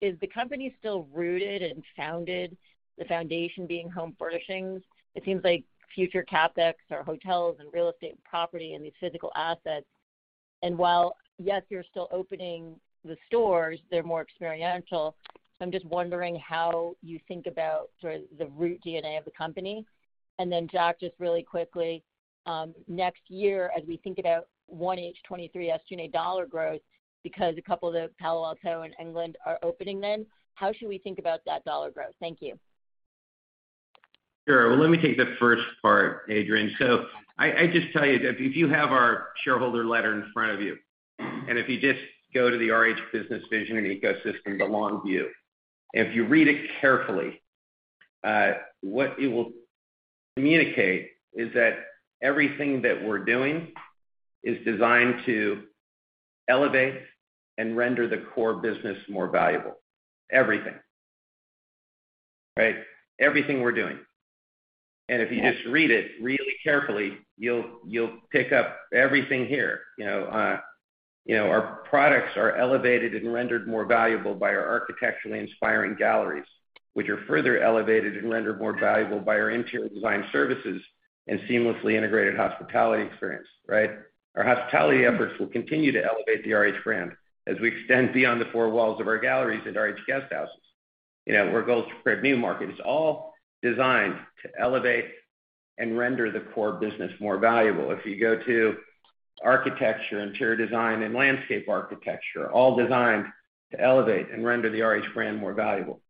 Is the company still rooted and founded, the foundation being home furnishings? It seems like future CapEx are hotels and real estate and property and these physical assets. While, yes, you're still opening the stores, they're more experiential. I'm just wondering how you think about sort of the root DNA of the company. Jack, just really quickly, next year as we think about 1H 2023 SG&A dollar growth, because a couple of the Palo Alto and England are opening then, how should we think about that dollar growth? Thank you. Sure. Well, let me take the first part, Adrienne. I just tell you, if you have our shareholder letter in front of you, and if you just go to the RH business vision and ecosystem, the long view, and if you read it carefully, what it will communicate is that everything that we're doing is designed to elevate and render the core business more valuable. Everything. Right? Everything we're doing. If you just read it really carefully, you'll pick up everything here. Our products are elevated and rendered more valuable by our architecturally inspiring galleries, which are further elevated and rendered more valuable by our interior design services and seamlessly integrated hospitality experience, right? Our hospitality efforts will continue to elevate the RH brand as we extend beyond the four walls of our galleries at RH Guesthouse. You know, where goals spread new markets, all designed to elevate and render the core business more valuable. If you go to architecture, interior design, and landscape architecture, all designed to elevate and render the RH brand more valuable,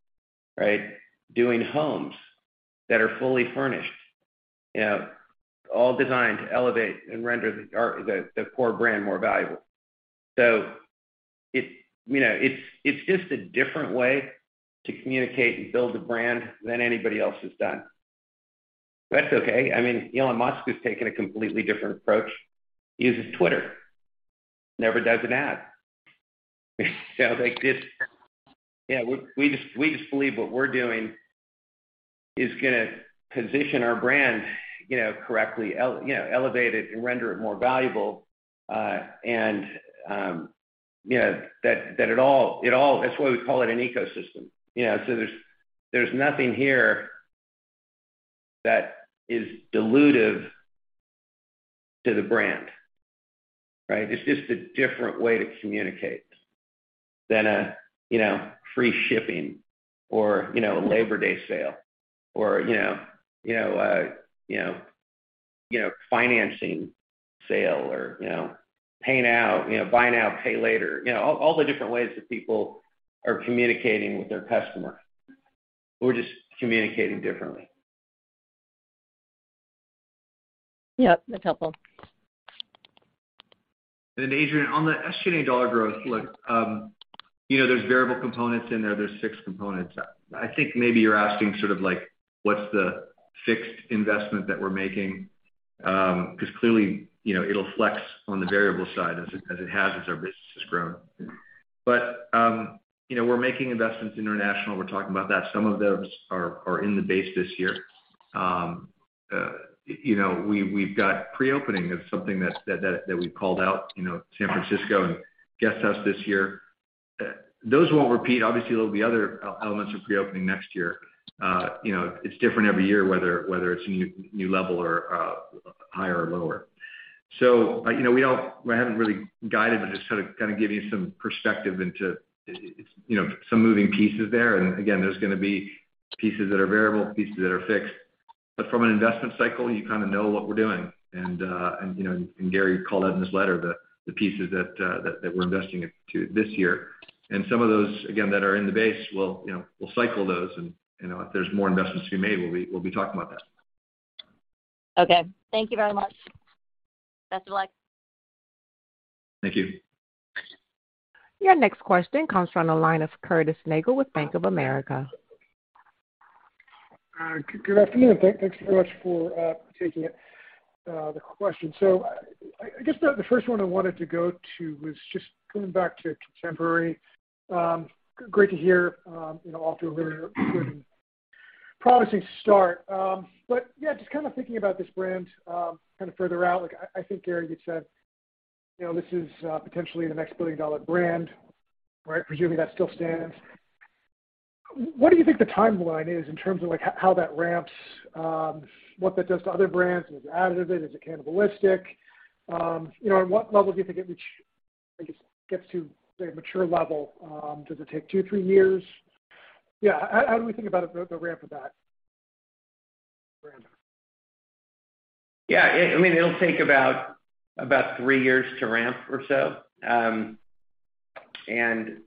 right? Doing homes that are fully furnished, you know, all designed to elevate and render the core brand more valuable. It's just a different way to communicate and build the brand than anybody else has done. That's okay. I mean, Elon Musk has taken a completely different approach. He uses Twitter. Never does an ad. Like this. Yeah, we just believe what we're doing is gonna position our brand, you know, correctly, you know, elevate it and render it more valuable, and you know, that it all. That's why we call it an ecosystem. You know, there's nothing here that is dilutive to the brand, right? It's just a different way to communicate than a, you know, free shipping or, you know, Labor Day sale or, you know, financing sale or, you know, paying out, you know, buy now, pay later. You know, all the different ways that people are communicating with their customer. We're just communicating differently. Yep. That's helpful. Adrienne, on the SG&A dollar growth, look, you know, there's variable components in there. There are six components. I think maybe you're asking sort of like what's the fixed investment that we're making, 'cause clearly, you know, it'll flex on the variable side as it has as our business has grown, but, we're making investments international. We're talking about that. Some of those are in the base this year. You know, we've got pre-opening of something that we've called out, you know, San Francisco and Guest House this year. Those won't repeat. Obviously, there'll be other elements of pre-opening next year. You know, it's different every year, whether it's a new level or higher or lower. We haven't really guided, but just to kind of give you some perspective into, you know, some moving pieces there. Again, there's gonna be pieces that are variable, pieces that are fixed. From an investment cycle, you kind of know what we're doing and you know, and Gary called out in his letter the pieces that we're investing into this year. Some of those, again, that are in the base, we'll, you know, cycle those. You know, if there's more investments to be made, we'll be talking about that. Okay. Thank you very much. Best of luck. Thank you. Your next question comes from the line of Curtis Nagle with Bank of America. Good afternoon. Thanks very much for taking the question. I guess the first one I wanted to go to was just coming back to contemporary. Great to hear, you know, off to a really good and promising start. Yeah, just kind of thinking about this brand, kind of further out. Like I think, Gary, you said, you know, this is potentially the next billion-dollar brand, right? Presuming that still stands. What do you think the timeline is in terms of, like, how that ramps, what that does to other brands? Is it additive? Is it cannibalistic? You know, on what level do you think it gets to the mature level? Does it take two, three years? Yeah. How do we think about the ramp of that brand? Yeah. I mean, it'll take about three years to ramp or so. You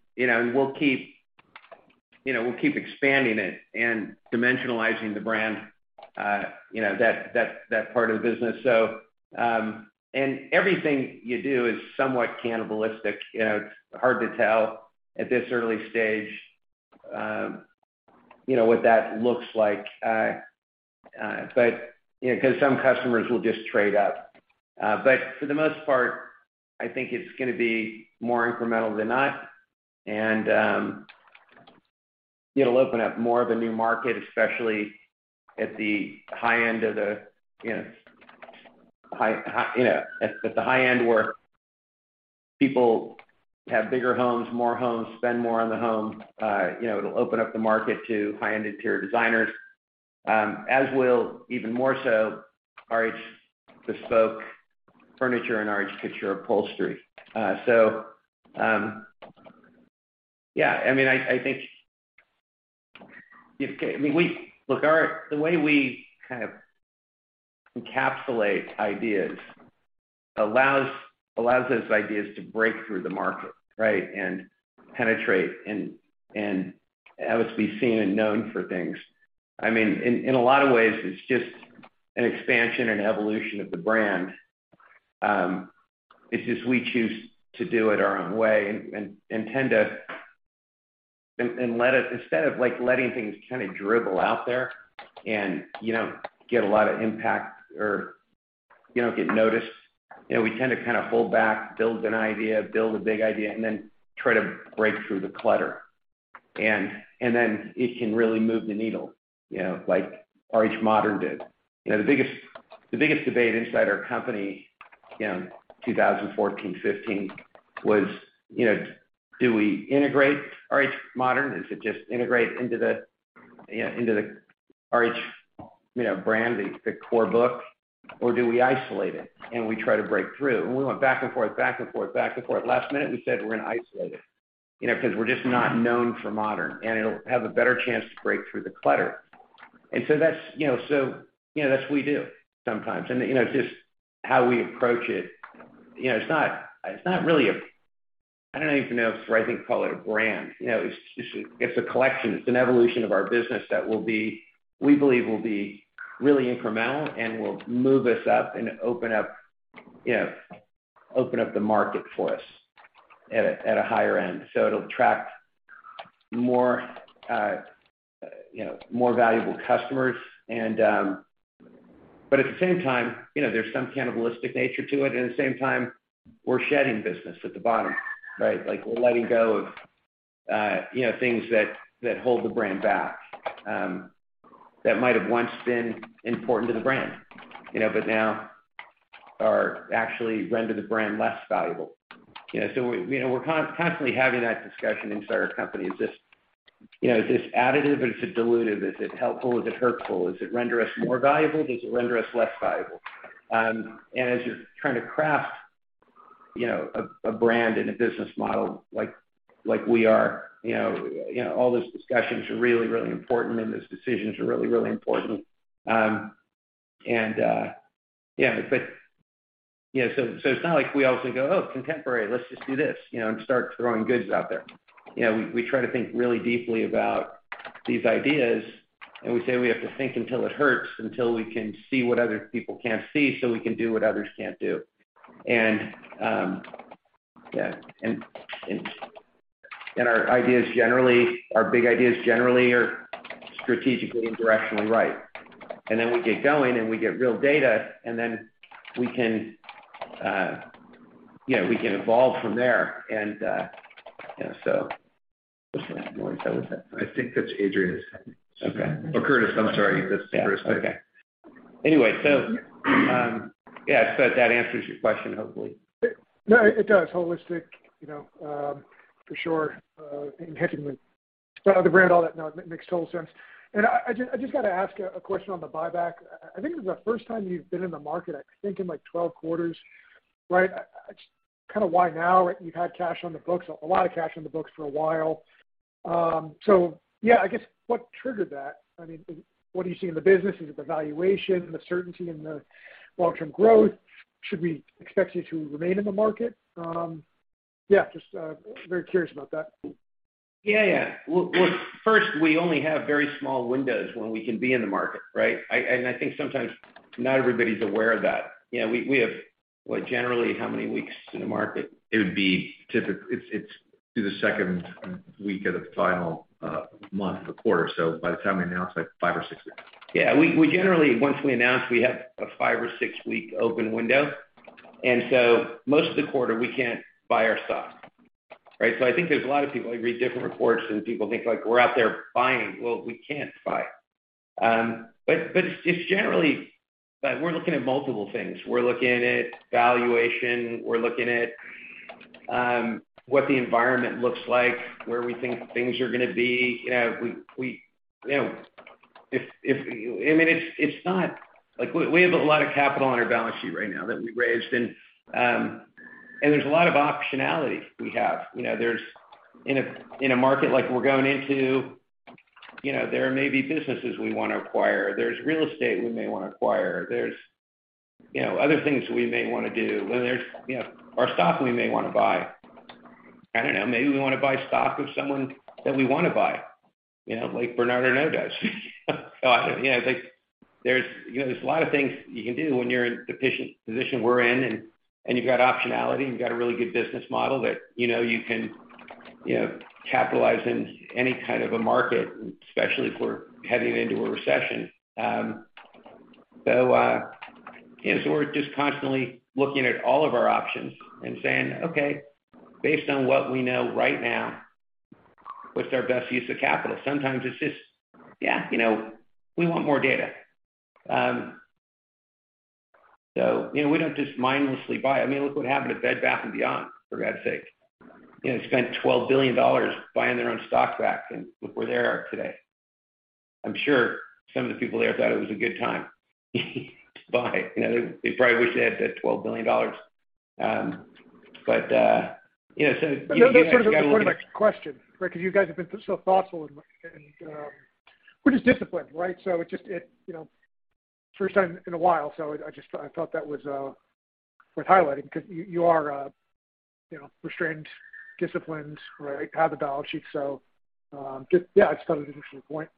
know, we'll keep expanding it and dimensionalizing the brand, you know, that part of the business. Everything you do is somewhat cannibalistic. It's hard to tell at this early stage what that looks like. You know, 'cause some customers will just trade up. For the most part, I think it's gonna be more incremental than not. It'll open up more of a new market, especially at the high-end of the high-end where people have bigger homes, more homes, spend more on the home. You know, it'll open up the market to high-end interior designers, as will even more so RH Bespoke Furniture and RH Couture Upholstery. Yeah, I mean, I think if—I mean, we look, the way we kind of encapsulate ideas allows those ideas to break through the market, right? And penetrate and as to be seen and known for things. I mean, in a lot of ways, it's just an expansion and evolution of the brand. It's just we choose to do it our own way and intend to. Instead of, like, letting things kind of dribble out there and, you know, get a lot of impact or you don't get noticed. We tend to kind of pull back, build an idea, build a big idea, and then try to break through the clutter. Then it can really move the needle, you know, like RH Modern did. You know, the biggest debate inside our company in 2014, 2015 was, you know, do we integrate RH Modern? Is it just integrate into the, you know, into the RH, you know, brand, the core book, or do we isolate it and we try to break through? We went back and forth. Last minute, we said we're going to isolate it, you know, because we're just not known for Modern, and it'll have a better chance to break through the clutter. That's what we do sometimes. It's just how we approach it. You know, it's not really a. I don't even know if it's the right thing to call it a brand. You know, it's a collection. It's an evolution of our business that will be, we believe, really incremental and will move us up and open up the market for us at a higher end. So it'll attract more, you know, more valuable customers, but at the same time, you know, there's some cannibalistic nature to it. At the same time, we're shedding business at the bottom, right? Like, we're letting go of, you know, things that hold the brand back, that might have once been important to the brand, you know, but now actually render the brand less valuable. We're constantly having that discussion inside our company. It's just, you know, is this additive or is it dilutive? Is it helpful? Is it hurtful? Does it render us more valuable? Does it render us less valuable? As you're trying to craft, you know, a brand and a business model like we are, you know, all those discussions are really, really important, and those decisions are really, really important. You know, it's not like we all say, "Go, oh, contemporary, let's just do this," you know, and start throwing goods out there. You know, we try to think really deeply about these ideas, and we say we have to think until it hurts, until we can see what other people can't see, so we can do what others can't do. Yeah. Our ideas generally, our big ideas generally are strategically and directionally right. Then we get going, and we get real data, and then we can, you know, we can evolve from there. Yeah, so who's that? Laurie, is that with it? I think that's Adrienne. Okay. Curtis. I'm sorry. That's Curtis, I think. Yeah. Okay. Anyway, yeah. That answers your question, hopefully. No, it does. Holistic, you know, for sure, enhancing the brand, all that. No, it makes total sense. I just gotta ask a question on the buyback. I think this is the first time you've been in the market, I think, in like 12 quarters, right? Just kind of why now? You've had cash on the books, a lot of cash on the books for a while. Yeah, I guess what triggered that? I mean, what do you see in the business? Is it the valuation, the certainty in the long-term growth? Should we expect you to remain in the market? Yeah, just very curious about that. Yeah. Well, first, we only have very small windows when we can be in the market, right? I think sometimes not everybody's aware of that. You know, we have, what, generally how many weeks in the market? It's through the second week of the final month of a quarter. By the time we announce, like five or six weeks. We generally, once we announce, we have a 5- or 6-week open window. Most of the quarter we can't buy our stock, right? So I think there's a lot of people, I read different reports, and people think, like, we're out there buying. Well, we can't buy. We're looking at multiple things. We're looking at valuation. We're looking at what the environment looks like, where we think things are gonna be. I mean, it's not like we have a lot of capital on our balance sheet right now that we raised, and there's a lot of optionality we have. In a market like we're going into, you know, there may be businesses we wanna acquire. There's real estate we may wanna acquire. There's, you know, other things we may wanna do. There's, you know, our stock we may wanna buy. I don't know. Maybe we wanna buy stock of someone that we wanna buy, you know, like Bernard Arnault does. I don't know. You know, like, there's a lot of things you can do when you're in the position we're in, and you've got optionality, and you've got a really good business model that, you know, you can, you know, capitalize in any kind of a market, especially if we're heading into a recession. We're just constantly looking at all of our options and saying, "Okay, based on what we know right now, what's our best use of capital?" Sometimes it's just, you know, we want more data. You know, we don't just mindlessly buy. I mean, look what happened to Bed Bath & Beyond, for God's sake. You know, spent $12 billion buying their own stock back, and look where they are today. I'm sure some of the people there thought it was a good time to buy. You know, they probably wish they had that $12 billion. You know, so you sort of got- That's sort of the point of my question, right? 'Cause you guys have been so thoughtful and which is discipline, right? It just you know first time in a while, so I just I felt that was worth highlighting 'cause you you are you know restrained, disciplined, right? Have the balance sheet. I just thought it was an interesting point.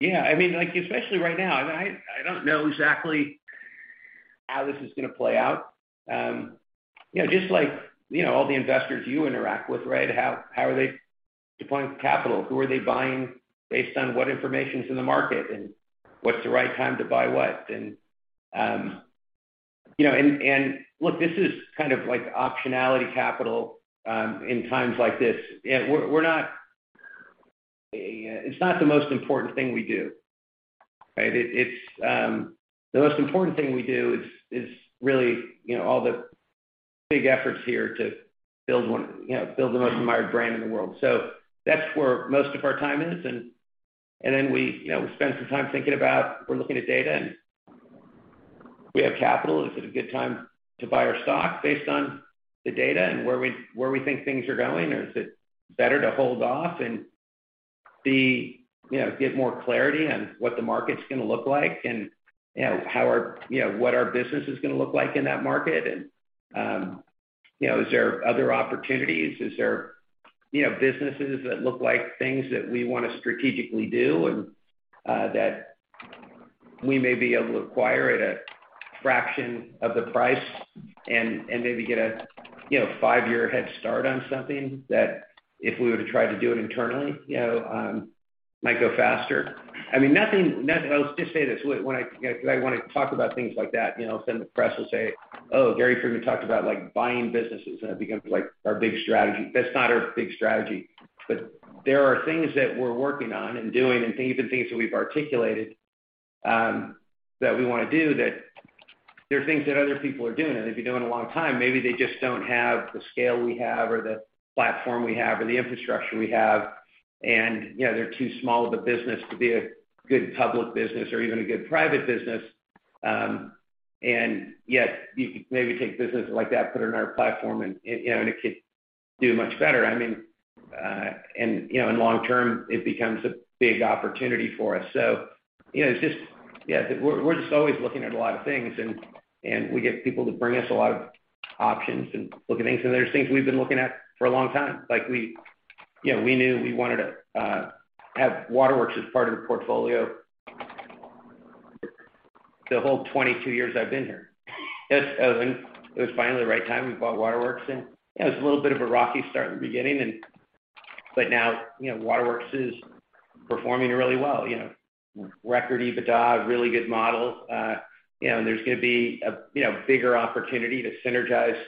Yeah. I mean, like, especially right now, I don't know exactly how this is gonna play out. You know, just like, you know, all the investors you interact with, right? How are they deploying capital? Who are they buying based on what information's in the market, and what's the right time to buy what? You know, look, this is kind of like optionality capital in times like this. Yeah, we're not. It's not the most important thing we do, right? It's the most important thing we do is really, you know, all the big efforts here to build one, you know, build the most admired brand in the world, so that's where most of our time is. Then we, you know, we spend some time thinking about, we're looking at data, and we have capital. Is it a good time to buy our stock based on the data and where we think things are going? Or is it better to hold off and see. You know, get more clarity on what the market's gonna look like, and, you know, what our business is gonna look like in that market. You know, is there other opportunities? Is there, you know, businesses that look like things that we wanna strategically do and that we may be able to acquire at a fraction of the price and maybe get a five-year head start on something that if we were to try to do it internally, you know, might go faster. I mean, nothing. I'll just say this. You know, 'cause I want to talk about things like that. Then the press will say, "Oh, Gary Friedman talked about, like, buying businesses," and it becomes, like, our big strategy. That's not our big strategy. There are things that we're working on and doing, and even things that we've articulated, that we wanna do that they're things that other people are doing, and they've been doing a long time. Maybe they just don't have the scale we have or the platform we have or the infrastructure we have. You know, they're too small of a business to be a good public business or even a good private business. Yet you could maybe take businesses like that, put it in our platform and, you know, and it could do much better. I mean, you know, in long term, it becomes a big opportunity for us. You know, it's just. Yeah, we're just always looking at a lot of things, and we get people to bring us a lot of options and look at things. There's things we've been looking at for a long time. Like we, you know, we knew we wanted to have Waterworks as part of the portfolio the whole 22 years I've been here. It, when it was finally the right time, we bought Waterworks, and, you know, it was a little bit of a rocky start in the beginning. Now, you know, Waterworks is performing really well, you know. Record EBITDA, really good model. There's gonna be a, you know, bigger opportunity to synergize,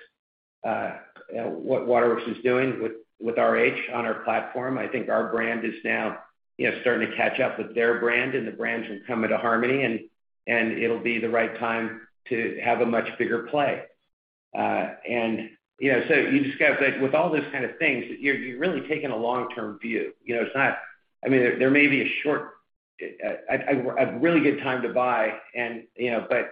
you know, what Waterworks is doing with RH on our platform. I think our brand is now, you know, starting to catch up with their brand, and the brands will come into harmony, and it'll be the right time to have a much bigger play. You know, you just gotta like, with all those kind of things, you're really taking a long-term view. You know, it's not I mean, there may be a really good time to buy and, you know, but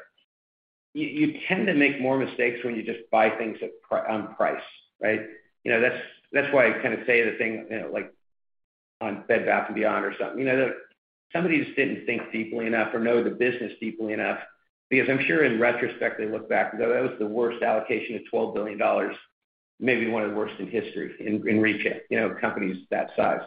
you tend to make more mistakes when you just buy things on price, right? You know, that's why I kind of say the thing, you know, like on Bed Bath & Beyond or something. You know, somebody just didn't think deeply enough or know the business deeply enough, because I'm sure in retrospect they look back and go, "That was the worst allocation of $12 billion, maybe one of the worst in history in retail, you know, companies that size."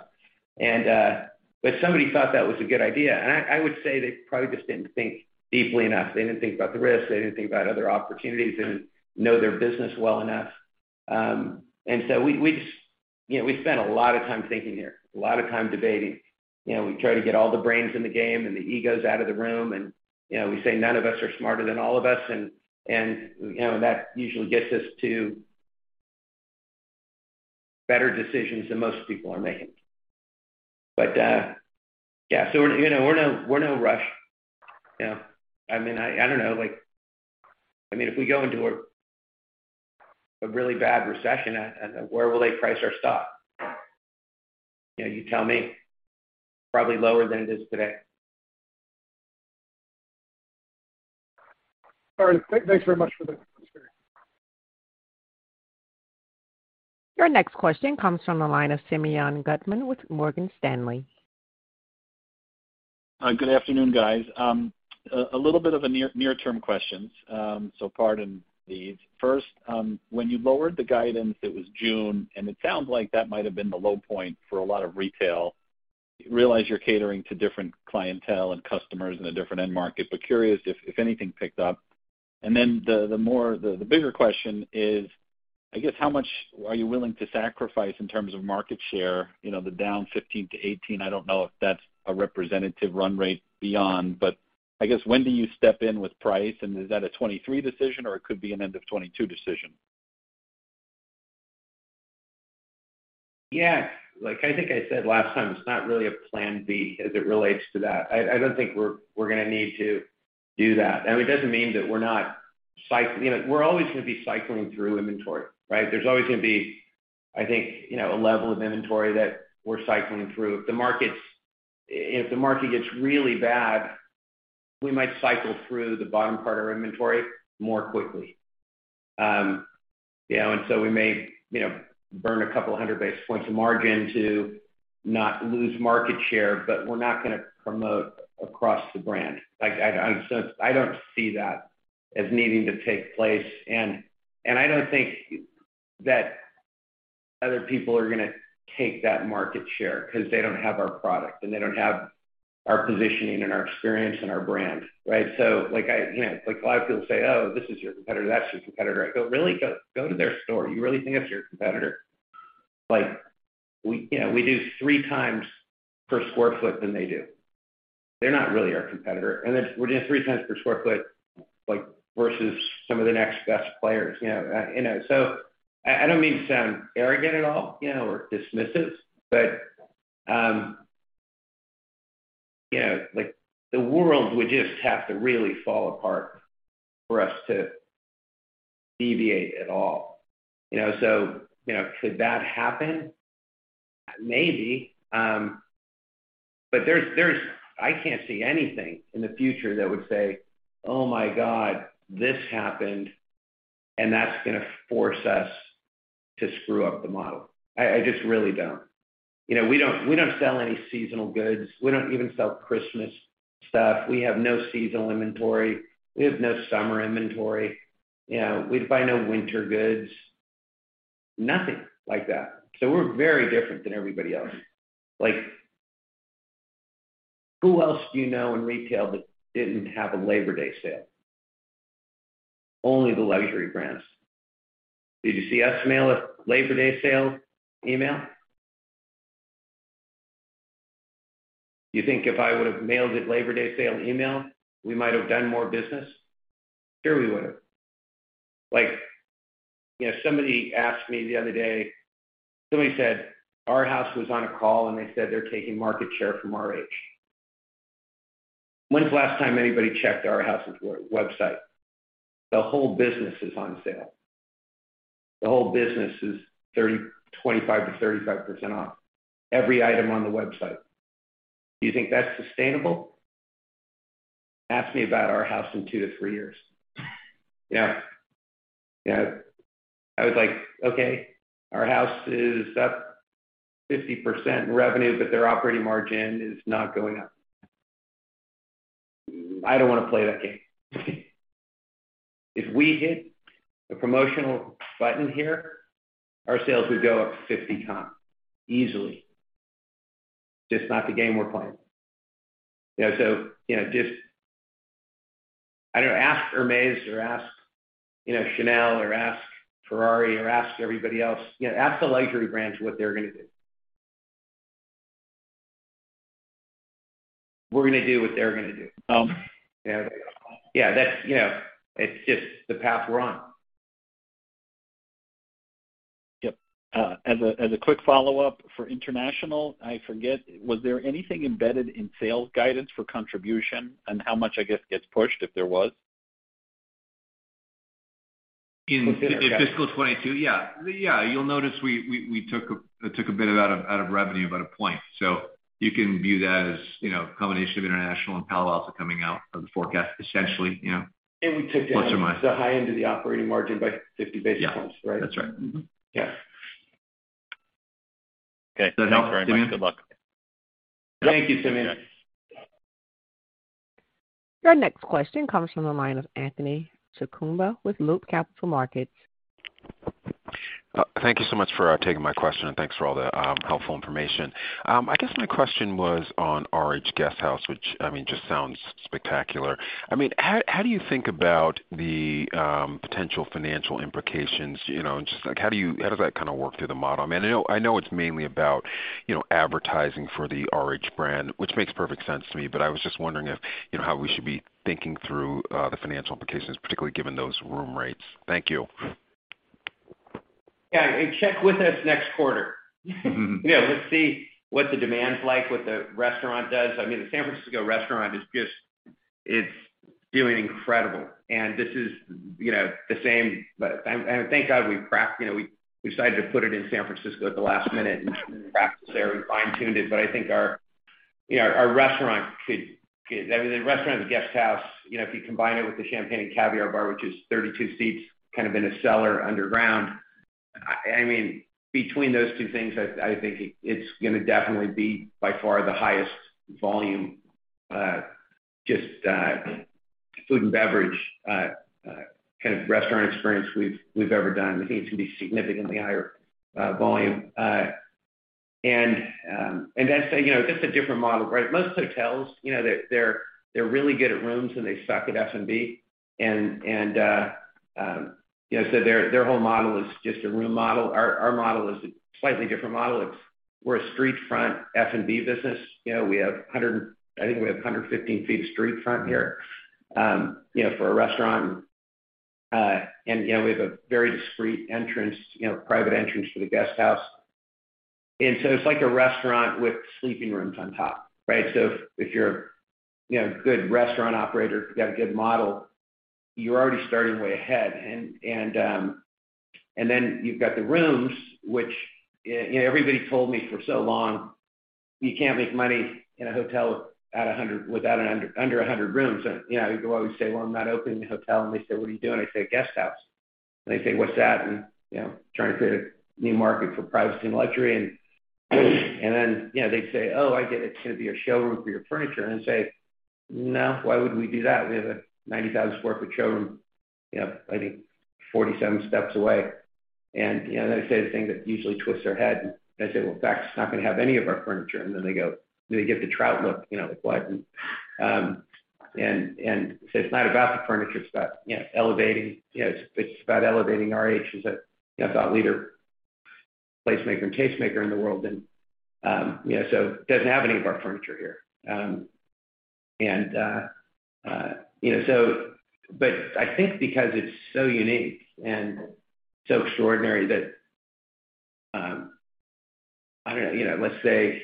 But somebody thought that was a good idea. I would say they probably just didn't think deeply enough. They didn't think about the risks, they didn't think about other opportunities. They didn't know their business well enough. We spent a lot of time thinking here, a lot of time debating. You know, we try to get all the brains in the game and the egos out of the room. You know, we say none of us are smarter than all of us, and you know, and that usually gets us to better decisions than most people are making. Yeah. We're, you know, in no rush. You know? I mean, I don't know. Like, I mean, if we go into a really bad recession, where will they price our stock? You know, you tell me. Probably lower than it is today. All right. Thanks very much for the Sure. Your next question comes from the line of Simeon Gutman with Morgan Stanley. Good afternoon, guys. A little bit of near-term questions. Pardon these. First, when you lowered the guidance, it was June, and it sounds like that might have been the low point for a lot of retail. Realize you're catering to different clientele and customers in a different end market, but curious if anything picked up. Then the bigger question is, I guess, how much are you willing to sacrifice in terms of market share? You know, the down 15%-18%, I don't know if that's a representative run rate beyond, but I guess when do you step in with price, and is that a 2023 decision, or it could be an end of 2022 decision? Yeah. Like, I think I said last time, it's not really a plan B as it relates to that. I don't think we're gonna need to do that. I mean, it doesn't mean that we're not cycling through inventory. You know, we're always gonna be cycling through inventory, right? There's always gonna be, I think, you know, a level of inventory that we're cycling through. If the market gets really bad, we might cycle through the bottom part of our inventory more quickly. We may, you know, burn a couple hundred basis points of margin to not lose market share, but we're not gonna promote across the brand. Like, I don't see that as needing to take place. I don't think that other people are going to take that market share because they don't have our product, and they don't have our positioning and our experience and our brand, right? Like, you know, like a lot of people say, "Oh, this is your competitor. That's your competitor." I go, "Really? Go to their store. You really think that's your competitor?" Like, we, you know, we do three times per sq ft than they do. They're not really our competitor. We do three times per sq ft, like, versus some of the next best players, you know. I don't mean to sound arrogant at all, you know, or dismissive, but, you know, like, the world would just have to really fall apart for us to deviate at all, you know. Could that happen? Maybe. There's, I can't see anything in the future that would say, "Oh my god, this happened, and that's gonna force us to screw up the model." I just really don't. You know, we don't sell any seasonal goods. We don't even sell Christmas stuff. We have no seasonal inventory. We have no summer inventory. You know, we buy no winter goods. Nothing like that. We're very different than everybody else. Like, who else do you know in retail that didn't have a Labor Day sale? Only the luxury brands. Did you see us mail a Labor Day sale email? You think if I would've mailed a Labor Day sale email, we might have done more business? Sure we would have. Like, you know, somebody asked me the other day, somebody said, "Arhaus was on a call, and they said they're taking market share from RH." When's the last time anybody checked Arhaus's website? The whole business is on sale. The whole business is 25%-35% off, every item on the website. Do you think that's sustainable? Ask me about Arhaus in two to three years. You know? You know, I was like, "Okay, Arhaus is up 50% in revenue, but their operating margin is not going up." I don't wanna play that game. If we hit the promotional button here, our sales would go up 50 times easily. Just not the game we're playing. Ask Hermès or ask, you know, Chanel or ask Ferrari or ask everybody else. You know, ask the luxury brands what they're gonna do. We're gonna do what they're gonna do. Oh. You know. Yeah, that's, you know, it's just the path we're on. Yep. As a quick follow-up for international, I forget, was there anything embedded in sales guidance for contribution and how much I guess gets pushed if there was? In fiscal 2022. Yeah. Yeah. You'll notice we took a bit out of revenue, about a point. You can view that as, you know, a combination of international and Palo Alto coming out of the forecast essentially, you know. We took down. Plus or minus. The high end of the operating margin by 50 basis points, right? Yeah. That's right. Mm-hmm. Yeah. Okay. Does that help, Simeon? Thanks very much. Good luck. Thank you, Simeon. Okay. Your next question comes from the line of Anthony Chukumba with Loop Capital Markets. Thank you so much for taking my question and thanks for all the helpful information. I guess my question was on RH Guesthouse, which, I mean, just sounds spectacular. I mean, how do you think about the potential financial implications, you know, and just like how does that kind of work through the model? I mean, I know it's mainly about, you know, advertising for the RH brand, which makes perfect sense to me, but I was just wondering if, you know, how we should be thinking through the financial implications, particularly given those room rates. Thank you. Yeah. Check with us next quarter. Mm-hmm. Let's see what the demand's like, what the restaurant does. I mean, the San Francisco restaurant is just. It's doing incredible. This is, you know, the same. But thank God we prac you know, we decided to put it in San Francisco at the last minute and practice there. We fine-tuned it. But I think our, you know, our restaurant could. I mean, the restaurant, the guest house, you know, if you combine it with the Champagne and Caviar Bar, which is 32 seats, kind of in a cellar underground, I mean, between those two things, I think it's gonna definitely be by far the highest volume, just food and beverage kind of restaurant experience we've ever done. I think it's gonna be significantly higher volume. That's a, you know, just a different model, right? Most hotels, you know, they're really good at rooms, and they suck at F&B. Their whole model is just a room model. Our model is a slightly different model. We're a street front F&B business. I think we have 115 feet of street front here, you know, for a restaurant. We have a very discreet entrance, you know, private entrance for the guest house. It's like a restaurant with sleeping rooms on top, right? If you're, you know, a good restaurant operator, got a good model, you're already starting way ahead. You've got the rooms, which, you know, everybody told me for so long, "You can't make money in a hotel under 100 rooms." You know, I would always say, "Well, I'm not opening a hotel." They say, "What are you doing?" I say, "A guest house." They say, "What's that?" You know, trying to create a new market for privacy and luxury, and then you know, they say, "Oh, I get it. It's gonna be a showroom for your furniture." I say, "No." Why would we do that? We have a 90,000 sq ft showroom, you know, I think 47 steps away. You know, then I say the thing that usually twists their head, and I say, "Well, in fact, it's not gonna have any of our furniture." Then they go. They give the trout look, you know, like, "What?" So it's not about the furniture, it's about, you know, elevating. You know, it's about elevating RH as a, you know, thought leader, placemaker, and tastemaker in the world. You know, so it doesn't have any of our furniture here. You know, so. But I think because it's so unique and so extraordinary that, I don't know, you know, let's say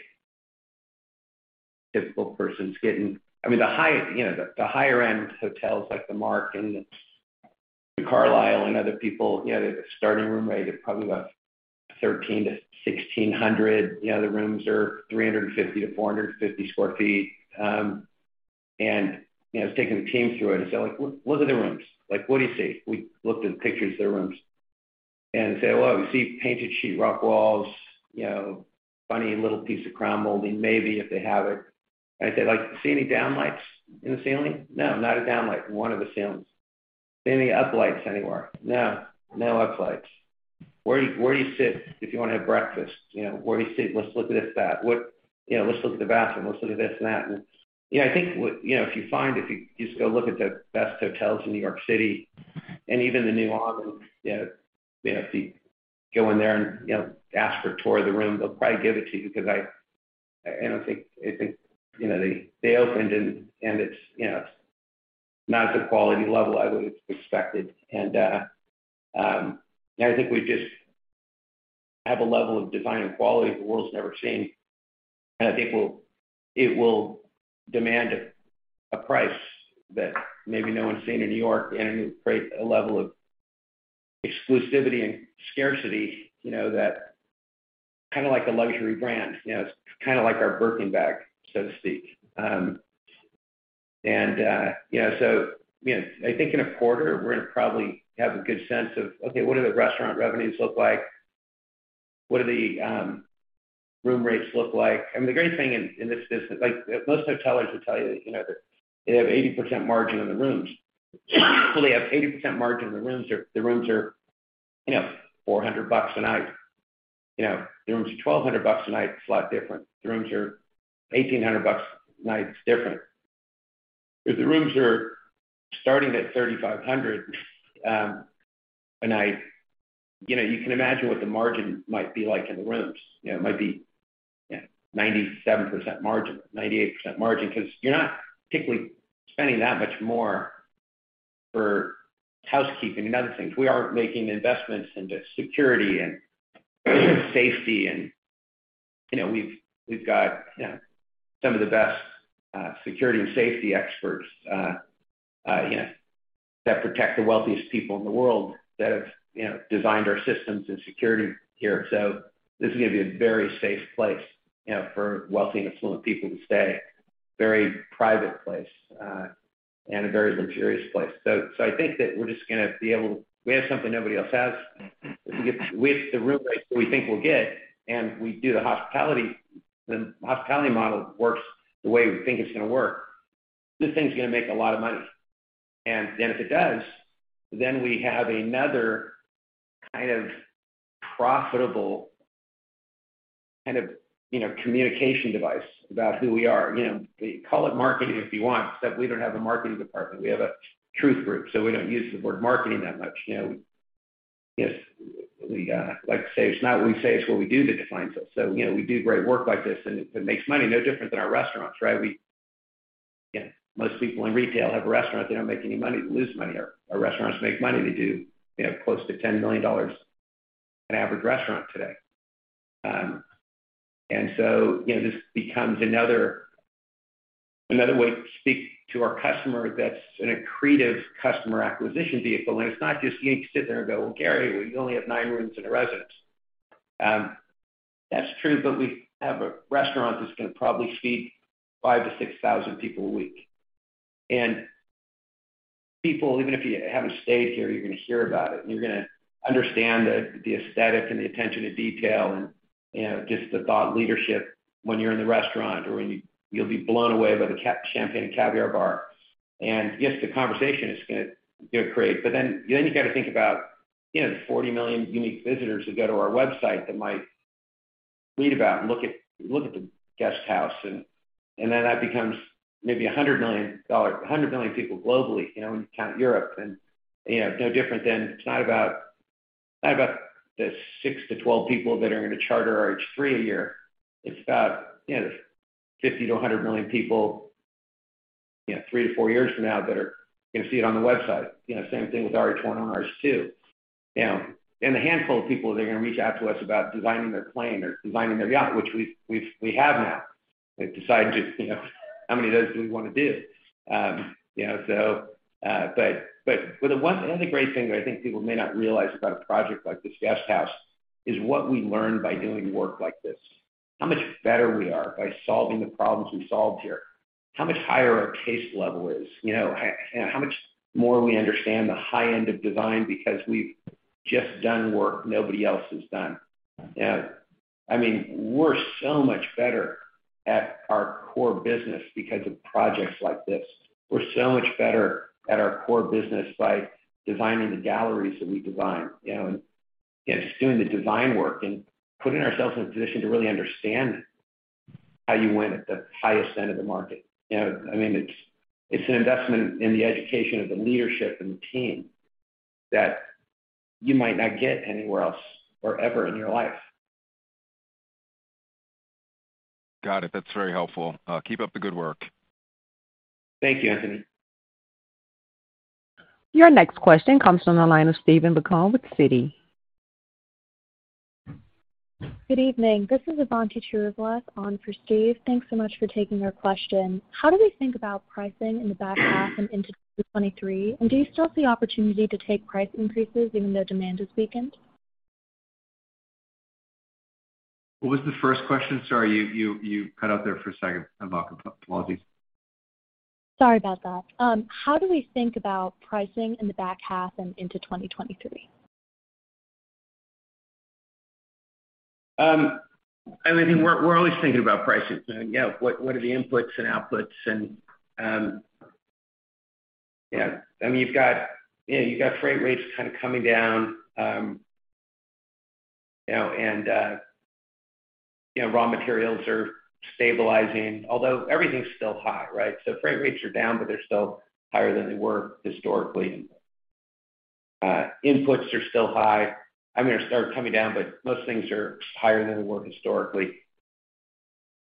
typical persons getting. I mean, the high, you know, the higher end hotels like The Mark and The Carlyle and other people, you know, they have a starting room rate of probably about $1,300-$1,600. You know, the rooms are 350-450 sq ft. You know, I was taking the team through it and said, like, "Look at the rooms. Like, what do you see?" We looked at the pictures of the rooms and say, "Well, we see painted sheetrock walls, you know, funny and little piece of crown molding," maybe if they have it. I said, like, "See any down lights in the ceiling?" No, not a down light in one of the ceilings. "See any up lights anywhere?" No up lights. Where do you sit if you wanna have breakfast? You know, where do you sit? Let's look at this, that. What. You know, let's look at the bathroom. Let's look at this and that. You know, I think what. You know, if you find. If you just go look at the best hotels in New York City and even the new Arhaus, you know, if you go in there and, you know, ask for a tour of the room, they'll probably give it to you because I don't think, you know, they opened and it's, you know, not the quality level I would've expected. I think we just have a level of design and quality the world's never seen. I think it will demand a price that maybe no one's seen in New York, and it would create a level of exclusivity and scarcity, you know, that kind of like a luxury brand. You know, it's kinda like our Birkin bag, so to speak. I think in a quarter we're gonna probably have a good sense of, okay, what do the restaurant revenues look like? What do the room rates look like? I mean, the great thing in this business, like most hoteliers will tell you that, you know, that they have 80% margin on the rooms. Well, they have 80% margin on the rooms if the rooms are, you know, $400 a night. You know, the rooms are $1,200 a night, it's a lot different. The rooms are $1,800 a night, it's different. If the rooms are starting at $3,500 a night, you know, you can imagine what the margin might be like in the rooms. It might be, you know, 97% margin, 98% margin, 'cause you're not particularly spending that much more for housekeeping and other things. We aren't making investments into security and safety. You know, we've got, you know, some of the best security and safety experts, you know, that protect the wealthiest people in the world that have, you know, designed our systems and security here. This is gonna be a very safe place, you know, for wealthy and affluent people to stay. Very private place, and a very luxurious place. I think that we're just gonna be able. We have something nobody else has. If we get with the room rates that we think we'll get, and we do the hospitality, the hospitality model works the way we think it's gonna work, this thing's gonna make a lot of money. Then if it does, then we have another kind of profitable kind of, you know, communication device about who we are. You know, call it marketing if you want, except we don't have a marketing department. We have a truth group, so we don't use the word marketing that much. You know, yes, we like to say, "It's not what we say, it's what we do that defines us." You know, we do great work like this and if it makes money, no different than our restaurants, right? You know, most people in retail have a restaurant, they don't make any money. They lose money. Our restaurants make money. They do, you know, close to $10 million an average restaurant today. This becomes another way to speak to our customer that's an accretive customer acquisition vehicle. It's not just, you sit there and go, "Well, Gary, we only have 9 rooms in a residence." That's true, but we have a restaurant that's gonna probably feed 5,000-6,000 people a week. People, even if you haven't stayed here, you're gonna hear about it and you're gonna understand the aesthetic and the attention to detail and, you know, just the thought leadership when you're in the restaurant or when you... You'll be blown away by the Champagne and Caviar Bar. Yes, the conversation is gonna get created, but then you gotta think about, you know, the 40 million unique visitors who go to our website that might read about and look at the Guesthouse and then that becomes maybe a 100 million people globally, you know, when you count Europe. You know, no different than it's not about, it's not about the 6-12 people that are gonna charter RH Three a year. It's about, you know, the 50-100 million people, you know, 3-4 years from now that are gonna see it on the website. You know, same thing with RH One and RH Two. You know, and the handful of people that are gonna reach out to us about designing their plane or designing their yacht, which we have now. Another great thing that I think people may not realize about a project like this Guesthouse is what we learn by doing work like this. How much better we are by solving the problems we solved here. How much higher our taste level is, you know. How much more we understand the high end of design because we've just done work nobody else has done. You know, I mean, we're so much better at our core business because of projects like this. We're so much better at our core business by designing the galleries that we design, you know? Just doing the design work and putting ourselves in a position to really understand how you win at the highest end of the market. You know, I mean, it's an investment in the education of the leadership and the team that you might not get anywhere else or ever in your life. Got it. That's very helpful. Keep up the good work. Thank you, Anthony. Your next question comes from the line of Steven Zaccone with Citi. Good evening. This is Avanti Cheruvallath on for Steve. Thanks so much for taking our question. How do we think about pricing in the back half and into 2023? Do you still see opportunity to take price increases even though demand has weakened? What was the first question? Sorry, you cut out there for a second, Ivanti. Apologies. Sorry about that. How do we think about pricing in the back half and into 2023? I mean, we're always thinking about pricing. Yeah. What are the inputs and outputs? Yeah. I mean, you've got, you know, you've got freight rates kind of coming down, you know, and, you know, raw materials are stabilizing, although everything's still high, right? Freight rates are down, but they're still higher than they were historically. Inputs are still high. I mean, they're starting to come down, but most things are higher than they were historically.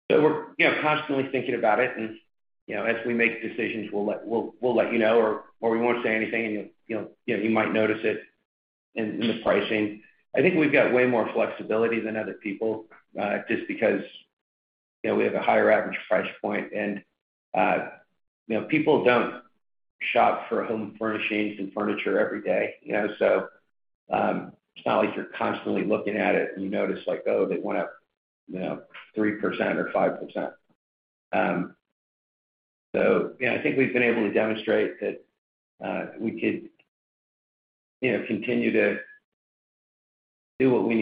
We're, you know, constantly thinking about it. You know, as we make decisions, we'll let you know or we won't say anything, and, you know, you might notice it in the pricing. I think we've got way more flexibility than other people, just because, you know, we have a higher average price point. People don't shop for home furnishings and furniture every day, you know? It's not like you're constantly looking at it and you notice like, oh, they went up, you know, 3% or 5%. Yeah, I think we've been able to demonstrate that we could, you know, continue to do what we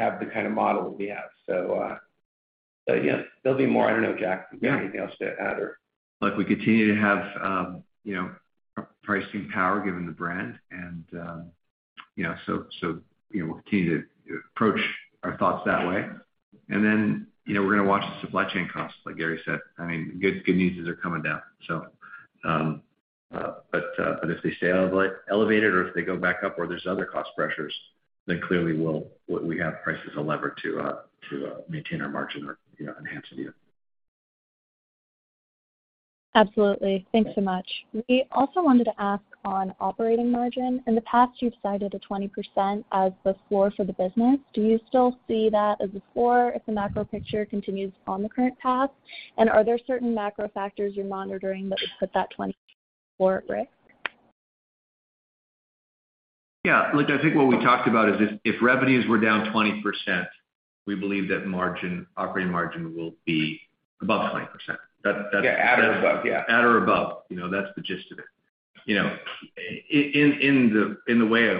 need to do to have the kind of model that we have. Yeah, there'll be more. I don't know, Jack, if you have anything else to add or. Look, we continue to have you know pricing power given the brand and you know. We'll continue to approach our thoughts that way. Then you know we're gonna watch the supply chain costs like Gary said. I mean good news is they're coming down. If they stay elevated or if they go back up or there's other cost pressures then clearly we'll have prices levered to maintain our margin or you know enhance it even. Absolutely. Thanks so much. We also wanted to ask on operating margin. In the past, you've cited a 20% as the floor for the business. Do you still see that as a floor if the macro picture continues on the current path? Are there certain macro factors you're monitoring that would put that 20% floor at risk? Yeah. Look, I think what we talked about is if revenues were down 20%, we believe that margin, operating margin will be above 20%. That's. Yeah. At or above. Yeah. At or above. That's the gist of it. You know, in the way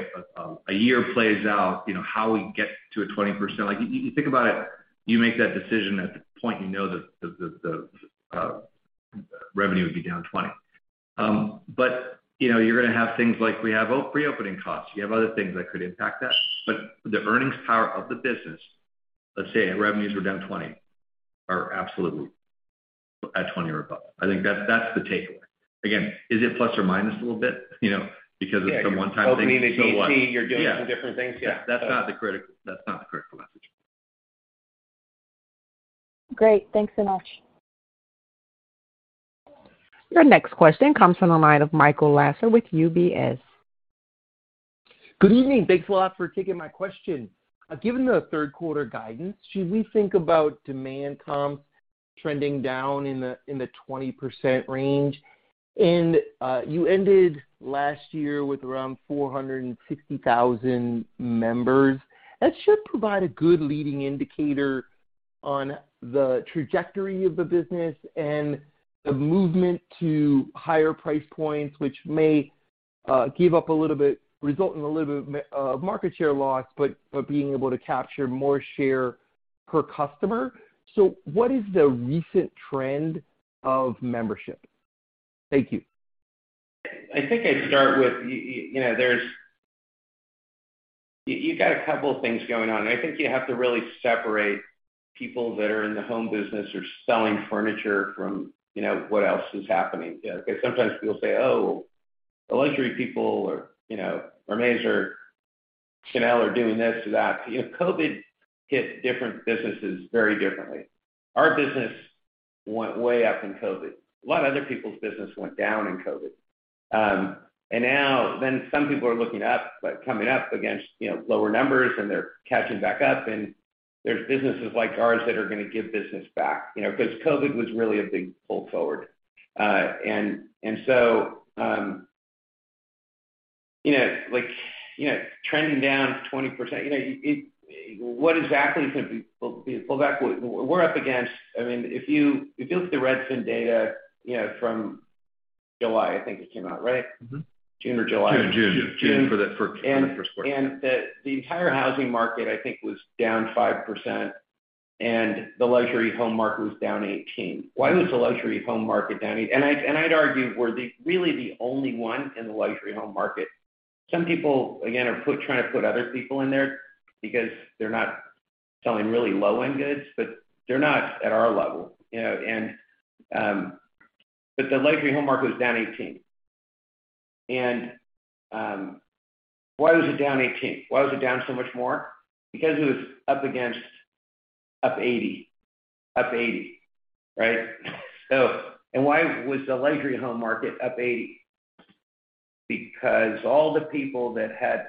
a year plays out, you know, how we get to a 20%, like, you think about it, you make that decision at the point you know the revenue would be down 20%. You know, you're gonna have things like we have reopening costs. You have other things that could impact that. The earnings power of the business, let's say revenues were down 20%, are absolutely at 20% or above. I think that's the takeaway. Again, is it ± a little bit, you know, because of some one-time thing. What? You're opening the JT. Yeah. You're doing some different things. Yeah. That's not the critical message. Great. Thanks so much. Your next question comes from the line of Michael Lasser with UBS. Good evening. Thanks a lot for taking my question. Given the third quarter guidance, should we think about demand comp trending down in the 20% range? You ended last year with around 460,000 members. That should provide a good leading indicator on the trajectory of the business and the movement to higher price points, which may result in a little bit of market share loss, but being able to capture more share per customer. What is the recent trend of membership? Thank you. I think I'd start with you know, there's. You got a couple of things going on, and I think you have to really separate people that are in the home business or selling furniture from, you know, what else is happening. You know, because sometimes people say, oh, luxury people or, you know, Hermès or Chanel are doing this or that. COVID hit different businesses very differently. Our business went way up in COVID. A lot of other people's business went down in COVID. Now then some people are looking up, but coming up against, you know, lower numbers and they're catching back up. There's businesses like ours that are gonna give business back, you know, because COVID was really a big pull forward. Trending down to 20%, you know, what exactly is going to be a pullback? We're up against, I mean, if you look at the Redfin data, you know, from July, I think it came out, right? Mm-hmm. June or July. June for the first quarter. The entire housing market I think was down 5%, and the luxury home market was down 18. Why was the luxury home market down 18? I'd argue we're really the only one in the luxury home market. Some people, again, are trying to put other people in there because they're not selling really low-end goods, but they're not at our level, you know. The luxury home market was down 18. Why was it down 18? Why was it down so much more? Because it was up against 80. Up 80, right? Why was the luxury home market up 80? Because all the people that had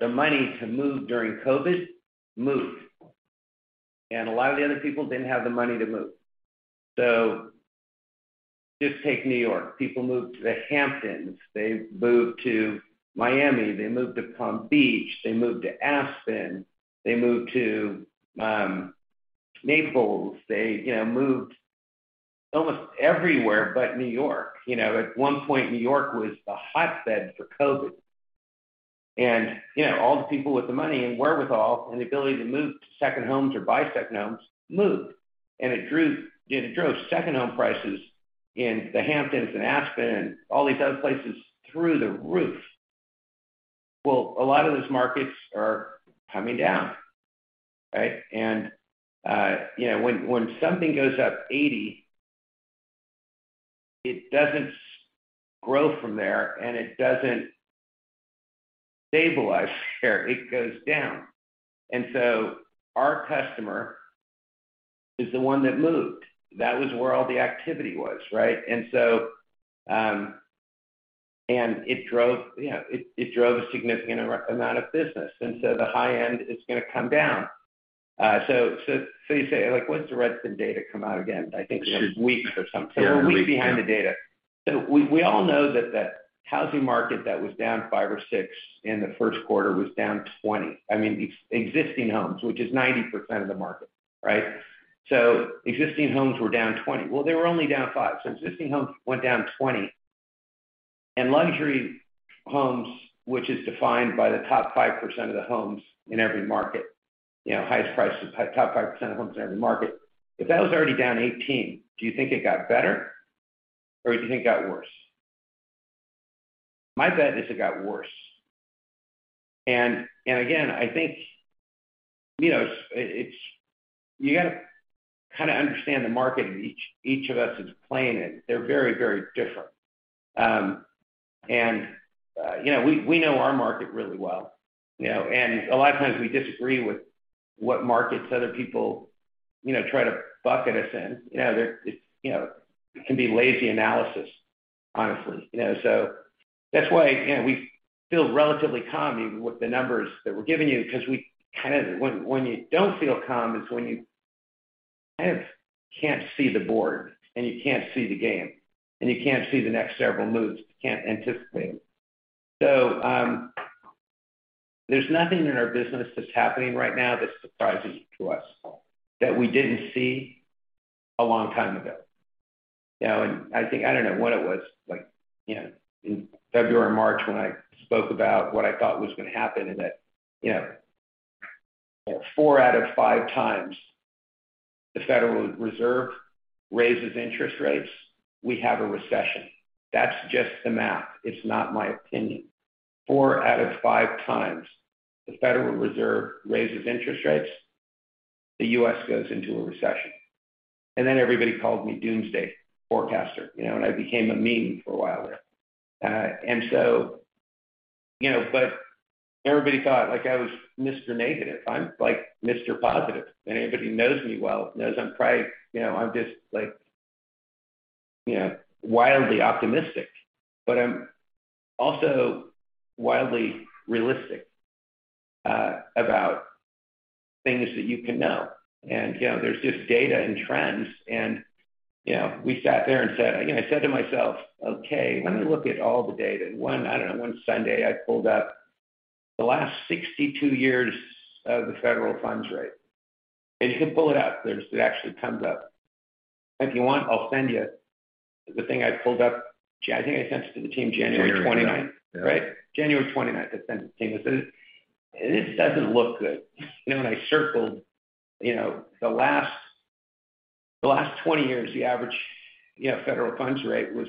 the money to move during COVID moved, and a lot of the other people didn't have the money to move. Just take New York. People moved to the Hamptons, they moved to Miami, they moved to Palm Beach, they moved to Aspen, they moved to Naples. They, you know, moved almost everywhere but New York. You know, at one point, New York was the hotbed for COVID, you know, all the people with the money and wherewithal and the ability to move to second homes or buy second homes moved. It drove second home prices in the Hamptons and Aspen and all these other places through the roof. Well, a lot of those markets are coming down, right? You know, when something goes up 80%, it doesn't grow from there and it doesn't stabilize there, it goes down. Our customer is the one that moved. That was where all the activity was, right? It drove a significant amount of business. The high end is gonna come down. So you say, like, when's the Redfin data come out again? I think 6 weeks or something. We're a week behind the data. We all know that the housing market that was down 5 or 6 in the first quarter was down 20. I mean, existing homes, which is 90% of the market, right? Existing homes were down 20. Well, they were only down 5. Existing homes went down 20. Luxury homes, which is defined by the top 5% of the homes in every market, you know, highest priced, top 5% of homes in every market. If that was already down 18%, do you think it got better or do you think it got worse? My bet is it got worse. Again, I think, you know, it's, you gotta kinda understand the market each of us is playing in. They're very, very different. You know, we know our market really well. You know, and a lot of times we disagree with what markets other people, you know, try to bucket us in. You know, they're, it's, you know, it can be lazy analysis, honestly. You know, we feel relatively calm even with the numbers that we're giving you because we kind of. When you don't feel calm, it's when you kind of can't see the board and you can't see the game and you can't see the next several moves. You can't anticipate. There's nothing in our business that's happening right now that's surprising to us that we didn't see a long time ago. You know, I think I don't know what it was like, you know, in February or March when I spoke about what I thought was gonna happen and that, you know, four out of five times the Federal Reserve raises interest rates, we have a recession. That's just the math. It's not my opinion. Four out of five times the Federal Reserve raises interest rates, the U.S. goes into a recession. Everybody called me doomsday forecaster, you know, and I became a meme for a while there. You know, everybody thought, like, I was Mr. Negative. I'm like Mr. Positive. Anybody who knows me well knows I'm probably, you know, I'm just, like, you know, wildly optimistic. I'm also wildly realistic about things that you can know. You know, there's just data and trends and, you know, we sat there and said. I said to myself, "Okay, let me look at all the data." One, I don't know, one Sunday I pulled up the last 62 years of the federal funds rate. You can pull it up. It actually comes up. If you want, I'll send you the thing I pulled up. I think I sent it to the team January 29th. Right? January 29th, I sent the team. I said, "This doesn't look good." You know, and I circled, you know, the last twenty years, the average, you know, federal funds rate was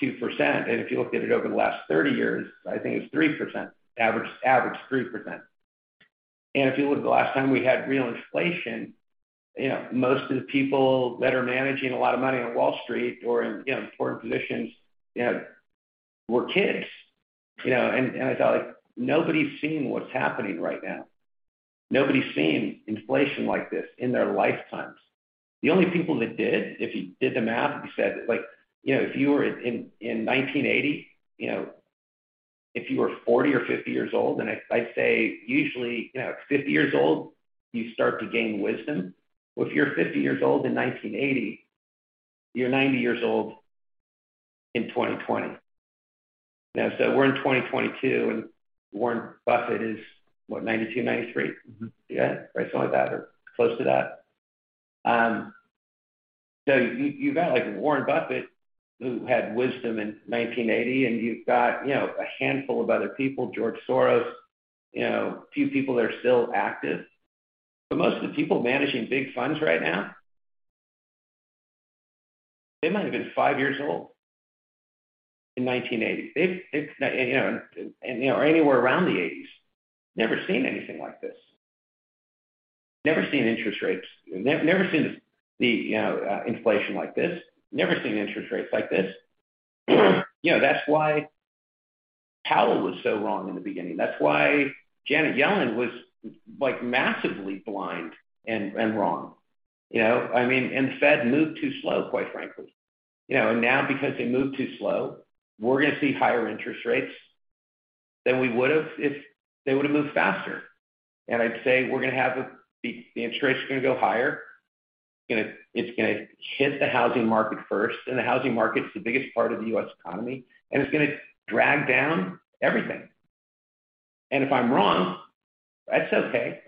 2%. If you looked at it over the last 30 years, I think it's 3%. Average three percent. If you look at the last time we had real inflation, you know, most of the people that are managing a lot of money on Wall Street or in, you know, important positions, you know, were kids. You know, and I thought, like, nobody's seen what's happening right now. Nobody's seen inflation like this in their lifetimes. The only people that did, if you did the math, if you said like, you know, if you were in 1980, you know, if you were 40 or 50 years old, and I say usually, you know, 50 years old you start to gain wisdom. Well, if you're 50 years old in 1980, you're 90 years old in 2020. Now, so we're in 2022, and Warren Buffett is what? 92, 93. Yeah. Right, something like that or close to that. You've got like Warren Buffett who had wisdom in 1980, and you've got, you know, a handful of other people, George Soros, you know, few people that are still active. Most of the people managing big funds right now, they might have been 5 years old in 1980. They've, you know, and you know, anywhere around the 1980s, never seen anything like this. Never seen interest rates. Never seen the, you know, inflation like this. Never seen interest rates like this. That's why Powell was so wrong in the beginning. That's why Janet Yellen was, like, massively blind and wrong. You know, I mean, Fed moved too slow, quite frankly. You know, now because they moved too slow, we're gonna see higher interest rates than we would've if they would've moved faster. I'd say the interest rate is gonna go higher. It's gonna hit the housing market first, and the housing market's the biggest part of the U.S. economy, and it's gonna drag down everything. If I'm wrong, that's okay.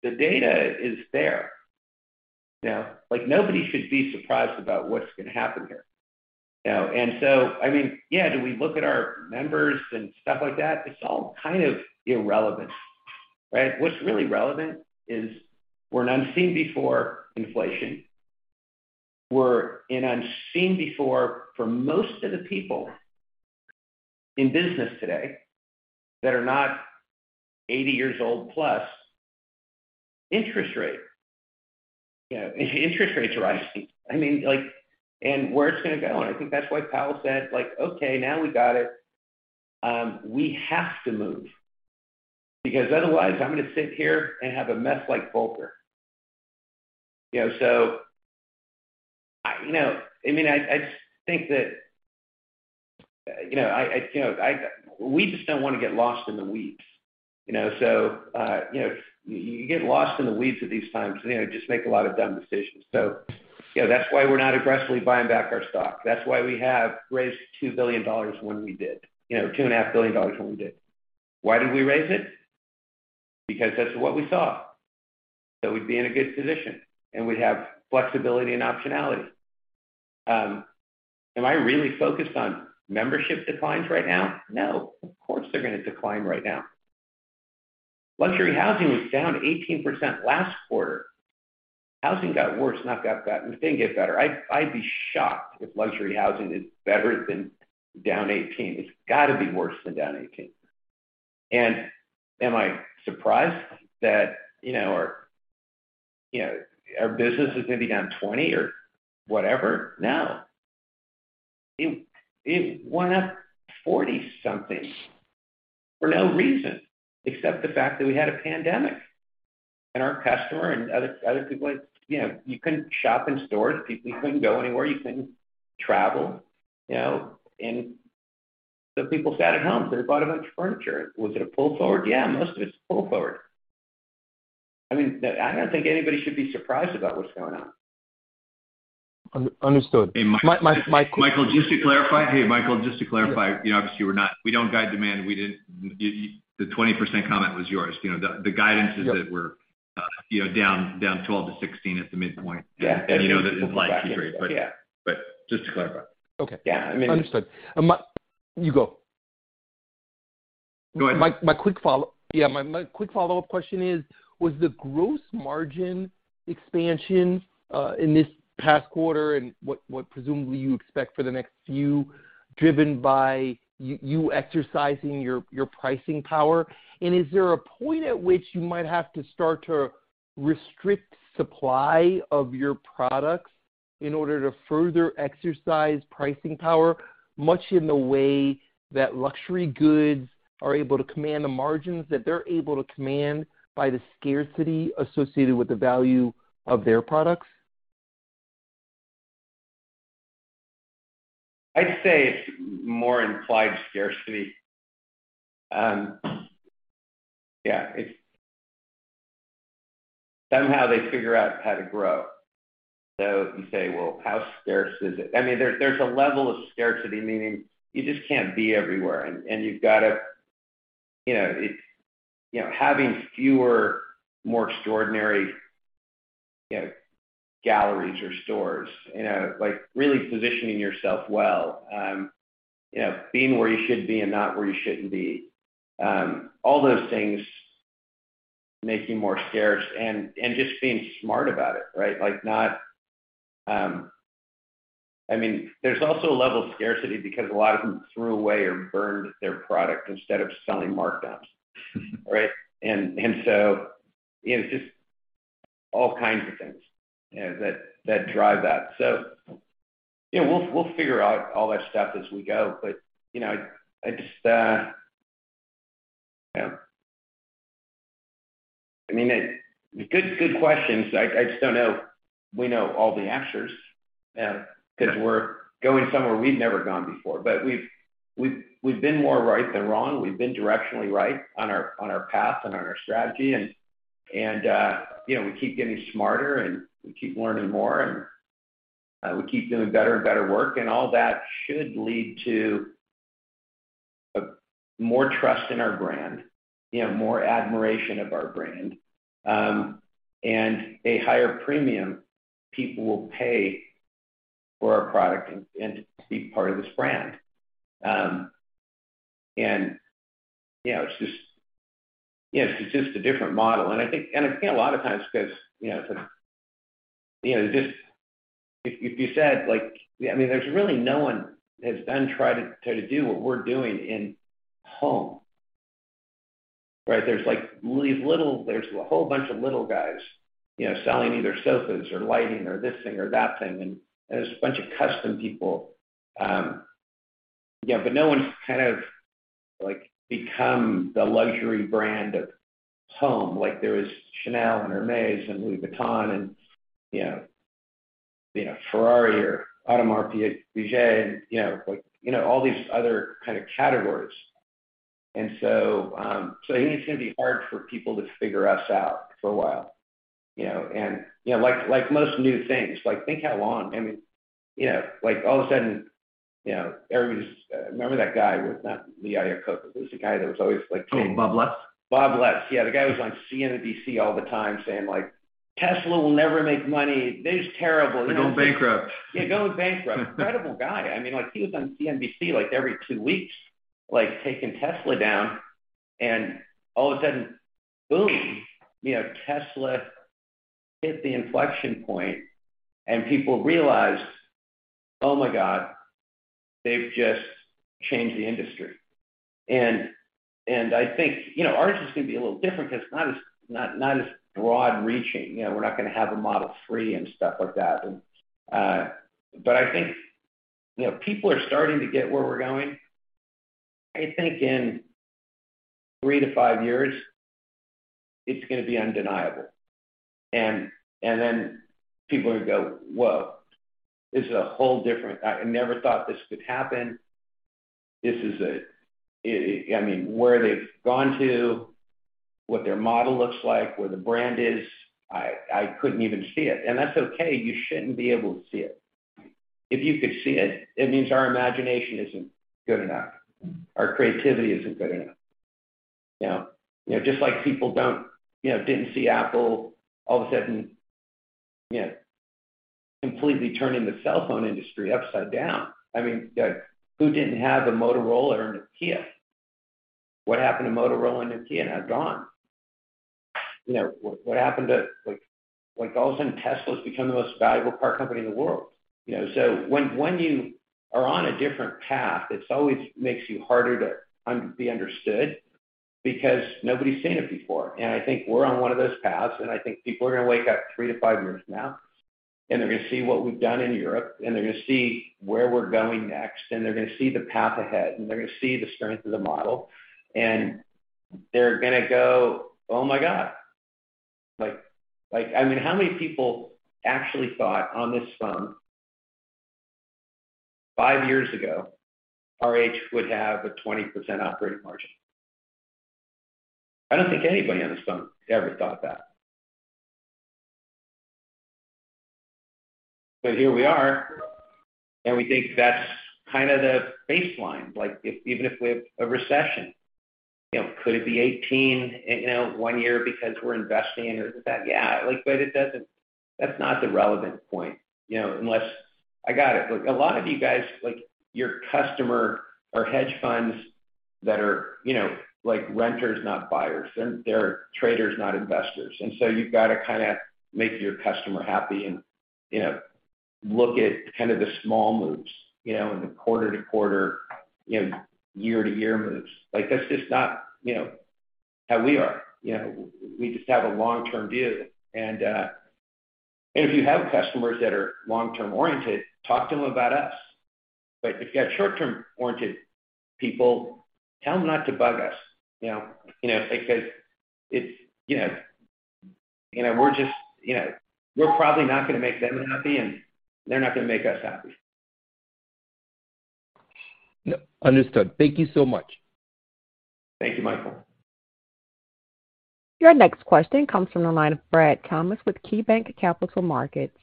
The data is there. You know? Like, nobody should be surprised about what's gonna happen here. I mean, yeah, do we look at our members and stuff like that? It's all kind of irrelevant, right? What's really relevant is we're in unseen before inflation. We're in unseen before, for most of the people in business today that are not eighty years old plus, interest rate. You know, interest rates are rising. I mean, like, where it's gonna go. I think that's why Powell said, like, "Okay, now we got it. We have to move because otherwise I'm gonna sit here and have a mess like Volcker." You know, I mean, I just think that, you know, we just don't wanna get lost in the weeds. You know, you get lost in the weeds at these times, you know, just make a lot of dumb decisions. You know, that's why we're not aggressively buying back our stock. That's why we have raised $2 billion when we did, you know, $2.5 billion when we did. Why did we raise it? Because that's what we thought. That we'd be in a good position, and we'd have flexibility and optionality. Am I really focused on membership declines right now? No, of course, they're gonna decline right now. Luxury housing was down 18% last quarter. Housing got worse, not got better. I'd be shocked if luxury housing is better than down 18%. It's gotta be worse than down 18%. Am I surprised that, you know, our business is gonna be down 20 or whatever? No. It went up 40-something for no reason except the fact that we had a pandemic, and our customer and other people like, you know, you couldn't shop in stores, people couldn't go anywhere, you couldn't travel, you know. People sat at home, so they bought a bunch of furniture. Was it a pull-forward? Yeah, most of it's pull-forward. I mean, I don't think anybody should be surprised about what's going on. Under-understood. Hey. My. Michael, just to clarify. You know, obviously, we don't guide demand. The 20% comment was yours. You know, the guidance is that we're down 12%-16% at the midpoint. Yeah. You know, that implied 2, 3. Yeah. Just to clarify. Okay. Yeah, I mean. Understood. You go. Go ahead. Yeah, my quick follow-up question is, was the gross margin expansion in this past quarter and what presumably you expect for the next few driven by you exercising your pricing power? Is there a point at which you might have to start to restrict supply of your products in order to further exercise pricing power, much in the way that luxury goods are able to command the margins that they're able to command by the scarcity associated with the value of their products? I'd say it's more implied scarcity. Somehow they figure out how to grow. You say, "Well, how scarce is it?" I mean, there's a level of scarcity, meaning you just can't be everywhere and having fewer, more extraordinary, you know, galleries or stores, you know. Like, really positioning yourself well. You know, being where you should be and not where you shouldn't be. All those things make you more scarce and just being smart about it, right? I mean, there's also a level of scarcity because a lot of them threw away or burned their product instead of selling markdowns. Right? So, you know, just all kinds of things, you know, that drive that. You know, we'll figure out all that stuff as we go. You know, I just know. I mean, good questions. I just don't know if we know all the answers, 'cause we're going somewhere we've never gone before. We've been more right than wrong. We've been directionally right on our path and on our strategy. You know, we keep getting smarter, and we keep learning more, and we keep doing better and better work, and all that should lead to more trust in our brand, you know, more admiration of our brand, and a higher premium people will pay for our product and to be part of this brand. You know, it's just a different model. I think a lot of times because, you know, it's a You know, just if you said, like, I mean, there's really no one has tried to do what we're doing in home, right? There's like these little. There's a whole bunch of little guys, you know, selling either sofas or lighting or this thing or that thing. There's a bunch of custom people, yeah, but no one's kind of like become the luxury brand of home. Like, there is Chanel and Hermès and Louis Vuitton and, you know, Ferrari or Audemars Piguet and, you know, like, all these other kind of categories. I think it's gonna be hard for people to figure us out for a while, you know. You know, like most new things, like, think how long. I mean, you know, like all of a sudden, you know, everybody's. Remember that guy, not Lee Iacocca, but there was a guy that was always like. Oh, Bob Lutz? Bob Lutz, yeah. The guy was on CNBC all the time saying like, "Tesla will never make money. They're just terrible." You know. They're going bankrupt. Yeah, going bankrupt. Incredible guy. I mean, like, he was on CNBC like every two weeks, like taking Tesla down. All of a sudden, boom, you know, Tesla hit the inflection point, and people realized, oh my God, they've just changed the industry. I think, you know, ours is gonna be a little different 'cause it's not as broad reaching. You know, we're not gonna have a Model 3 and stuff like that. But I think, you know, people are starting to get where we're going. I think in three to five years it's gonna be undeniable. Then people are gonna go, "Whoa, this is a whole different. I never thought this could happen. I mean, where they've gone to, what their model looks like, where the brand is, I couldn't even see it. That's okay. You shouldn't be able to see it. If you could see it means our imagination isn't good enough. Our creativity isn't good enough, you know. You know, just like people didn't see Apple all of a sudden, you know, completely turning the cell phone industry upside down. I mean, like, who didn't have a Motorola or Nokia? What happened to Motorola and Nokia? Now they're gone. Like all of a sudden, Tesla's become the most valuable car company in the world, you know. When you are on a different path, it always makes you harder to be understood because nobody's seen it before. I think we're on one of those paths, and I think people are gonna wake up 3-5 years from now, and they're gonna see what we've done in Europe, and they're gonna see where we're going next, and they're gonna see the path ahead, and they're gonna see the strength of the model, and they're gonna go, "Oh my God." Like, I mean, how many people actually thought on this phone 5 years ago RH would have a 20% operating margin? I don't think anybody on this phone ever thought that. Here we are, and we think that's kind of the baseline. Like, if even if we have a recession, you know, could it be 18% 1 year because we're investing or that? Yeah, like, but it doesn't. That's not the relevant point, you know, unless. I got it. Look, a lot of you guys, like, your customer are hedge funds that are, you know, like renters, not buyers. They're traders, not investors. You've got to kinda make your customer happy and, you know, look at kind of the small moves, you know, in the quarter to quarter, you know, year to year moves. Like that's just not, you know, how we are. We just have a long-term view. If you have customers that are long-term oriented, talk to them about us. If you got short-term oriented people, tell them not to bug us, you know. You know, because it's, you know, you know, we're just, you know, we're probably not gonna make them happy, and they're not gonna make us happy. Yep. Understood. Thank you so much. Thank you, Michael. Your next question comes from the line of Brad Thomas with KeyBanc Capital Markets.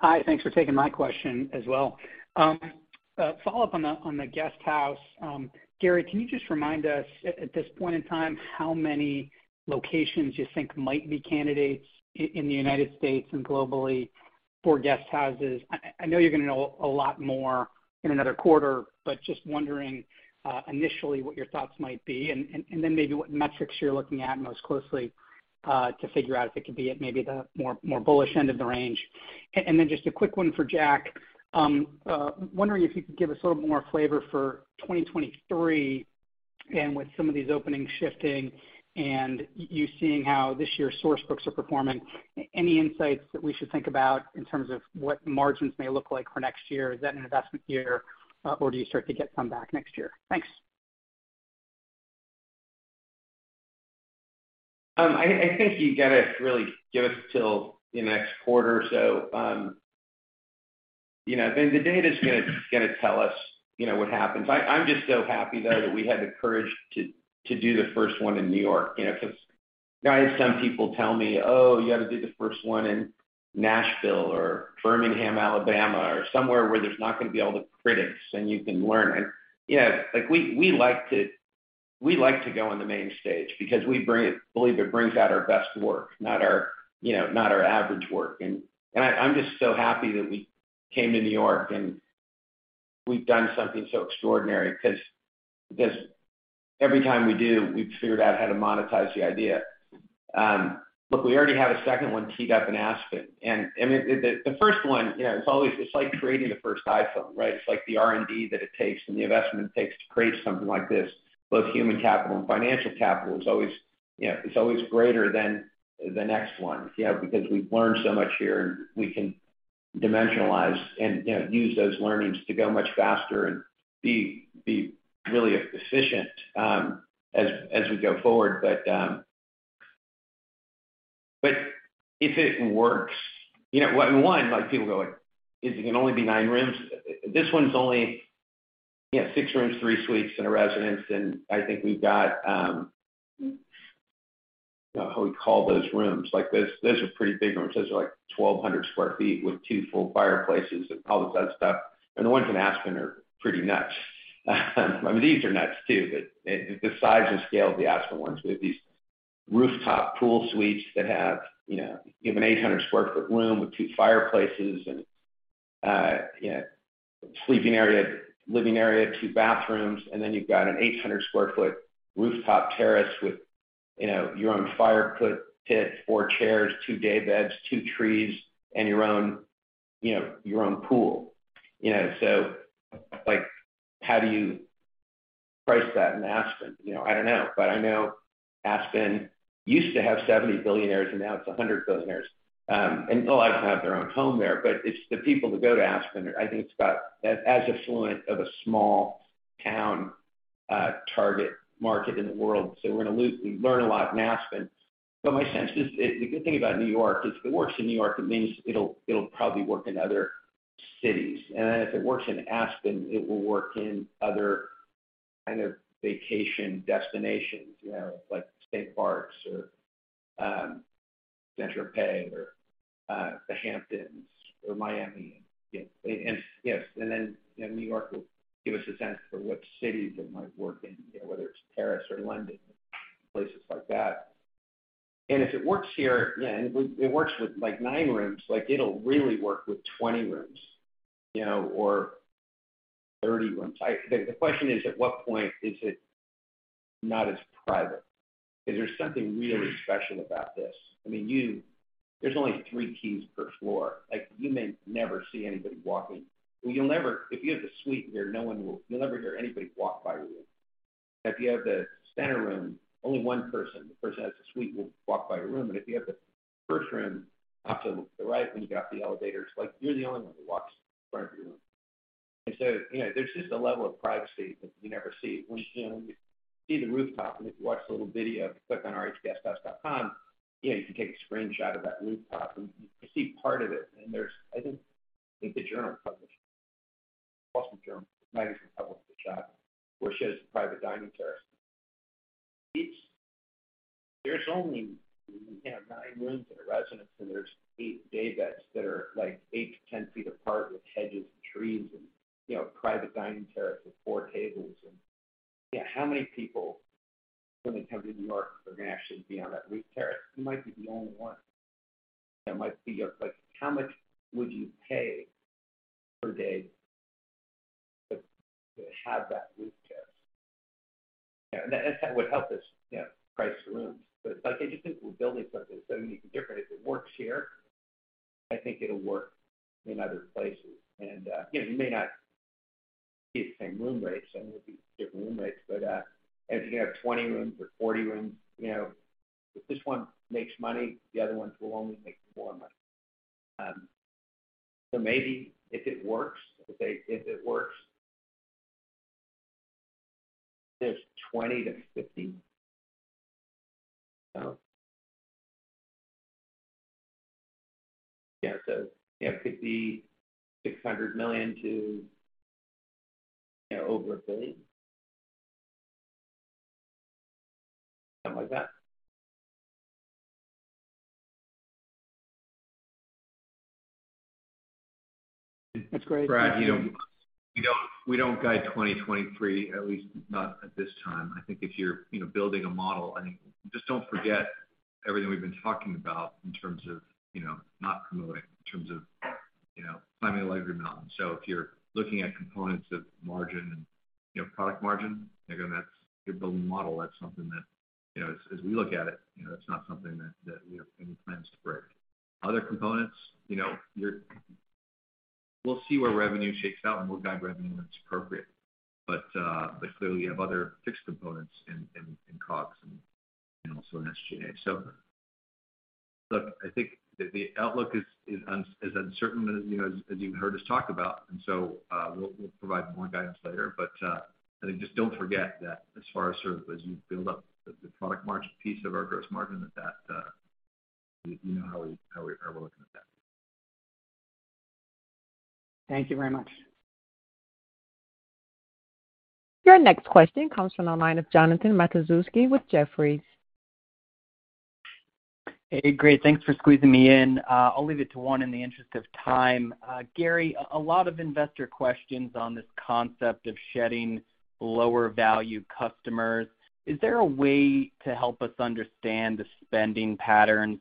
Hi. Thanks for taking my question as well. A follow-up on the guest house. Gary, can you just remind us at this point in time, how many locations you think might be candidates in the United States and globally for guest houses? I know you're gonna know a lot more in another quarter, but just wondering initially what your thoughts might be and then maybe what metrics you're looking at most closely to figure out if it could be at maybe the more bullish end of the range, and then just a quick one for Jack. Wondering if you could give us a little more flavor for 2023 and with some of these openings shifting and you seeing how this year's source books are performing, any insights that we should think about in terms of what margins may look like for next year? Is that an investment year, or do you start to get some back next year? Thanks. I think you gotta really give us till the next quarter or so. You know, then the data's gonna tell us, you know, what happens. I'm just so happy though that we had the courage to do the first one in New York, you know, because guys. Some people tell me, "Oh, you gotta do the first one in Nashville or Birmingham, Alabama, or somewhere where there's not gonna be all the critics, and you can learn." Yeah, like, we like to go on the main stage because we believe it brings out our best work, not our, you know, not our average work. I'm just so happy that we came to New York, and we've done something so extraordinary because every time we do, we've figured out how to monetize the idea. Look, we already have a second one teed up in Aspen. I mean, the first one, you know, it's always, it's like creating the first iPhone, right? It's like the R&D that it takes and the investment it takes to create something like this, both human capital and financial capital. It's always, you know, it's always greater than the next one, you know, because we've learned so much here, and we can dimensionalize and, you know, use those learnings to go much faster and be really efficient as we go forward. If it works, you know, one like people go like, "Is it gonna only be nine rooms?" This one's only, you know, six rooms, three suites and a residence, and I think we've got. You know, how we call those rooms. Like, those are pretty big rooms. Those are like 1,200 sq ft with two full fireplaces and all this other stuff. The ones in Aspen are pretty nuts. I mean, these are nuts too, but the size and scale of the Aspen ones with these rooftop pool suites that have, you know, you have an 800 sq ft room with two fireplaces and, you know, sleeping area, living area, two bathrooms, and then you've got an 800 sq ft rooftop terrace with, you know, your own fire pit, four chairs, two daybeds, two trees, and your own, you know, your own pool. How do you price that in Aspen? You know, I don't know. I know Aspen used to have 70 billionaires, and now it's 100 billionaires. A lot have their own home there, but it's the people that go to Aspen are I think it's about as affluent of a small town target market in the world, so we learn a lot in Aspen. My sense is the good thing about New York is if it works in New York, it means it'll probably work in other cities. If it works in Aspen, it will work in other kind of vacation destinations, you know, like state parks or Saint-Tropez or the Hamptons or Miami. Yes, New York will give us a sense for what cities it might work in, you know, whether it's Paris or London, places like that. If it works here, yeah, and if it works with like 9 rooms, like it'll really work with 20 rooms, you know, or 30 rooms. The question is, at what point is it not as private? Is there something really special about this? I mean, there's only 3 keys per floor. Like, you may never see anybody walking. You'll never hear anybody walk by your room if you have the suite here. If you have the center room, only one person, the person that has the suite will walk by your room. If you have the first room off to the right when you get off the elevator, it's like you're the only one who walks in front of your room. You know, there's just a level of privacy that you never see. When you know, when you see the rooftop and if you watch the little video, if you click on rhguesthouse.com, you know, you can take a screenshot of that rooftop, and you can see part of it. There's I think the Journal published it. Boston Journal magazine published a shot where it shows the private dining terrace. It's. There's only, you know, 9 rooms in a residence, and there's 8 daybeds that are like 8-10 feet apart with hedges and trees and, you know, private dining terrace with 4 tables. You know, how many people when they come to New York are gonna actually be on that roof terrace? You might be the only one. That might be your. Like how much would you pay per day to have that roof terrace? You know, that would help us, you know, price the rooms. Like, I just think we're building something so unique and different. If it works here, I think it'll work in other places. You know, you may not get the same room rates. I mean, it would be different room rates. If you have 20 rooms or 40 rooms, you know, if this one makes money, the other ones will only make more money. Maybe if it works, there's 20-50. Yeah, could be $600 million to, you know, over $1 billion. Something like that. That's great. Brad, we don't guide 2023, at least not at this time. I think if you're, you know, building a model, I mean, just don't forget everything we've been talking about in terms of, you know, not promoting, in terms of, you know, climbing a legendary mountain. If you're looking at components of margin and, you know, product margin, again, that's if you're building a model, that's something that, you know, as we look at it, you know, that's not something that we have any plans to break. Other components, you know, you're. We'll see where revenue shakes out, and we'll guide revenue when it's appropriate. But clearly you have other fixed components in COGS and also in SG&A. Look, I think the outlook is as uncertain as you know as you've heard us talk about, and so we'll provide more guidance later. I think just don't forget that as far as sort of as you build up the product margin piece of our gross margin, that You know how we're looking at that. Thank you very much. Your next question comes from the line of Jonathan Matuszewski with Jefferies. Hey, great. Thanks for squeezing me in. I'll leave it to one in the interest of time. Gary, a lot of investor questions on this concept of shedding lower value customers. Is there a way to help us understand the spending patterns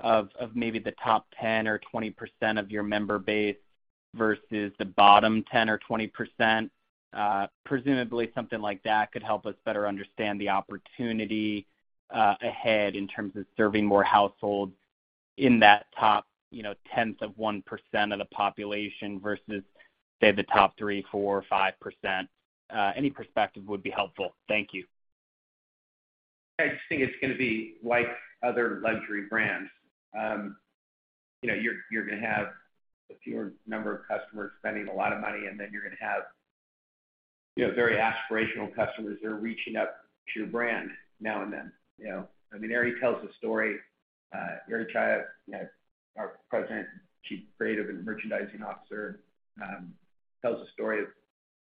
of maybe the top 10 or 20% of your member base versus the bottom 10 or 20%? Presumably something like that could help us better understand the opportunity ahead in terms of serving more households in that top, you know, 0.1% of the population versus, say, the top 3, 4, or 5%. Any perspective would be helpful. Thank you. I just think it's gonna be like other luxury brands. You know, you're gonna have a fewer number of customers spending a lot of money, and then you're gonna have, you know, very aspirational customers that are reaching up to your brand now and then, you know. I mean, Eri Chaya, you know, our President, Chief Creative and Merchandising Officer, tells a story of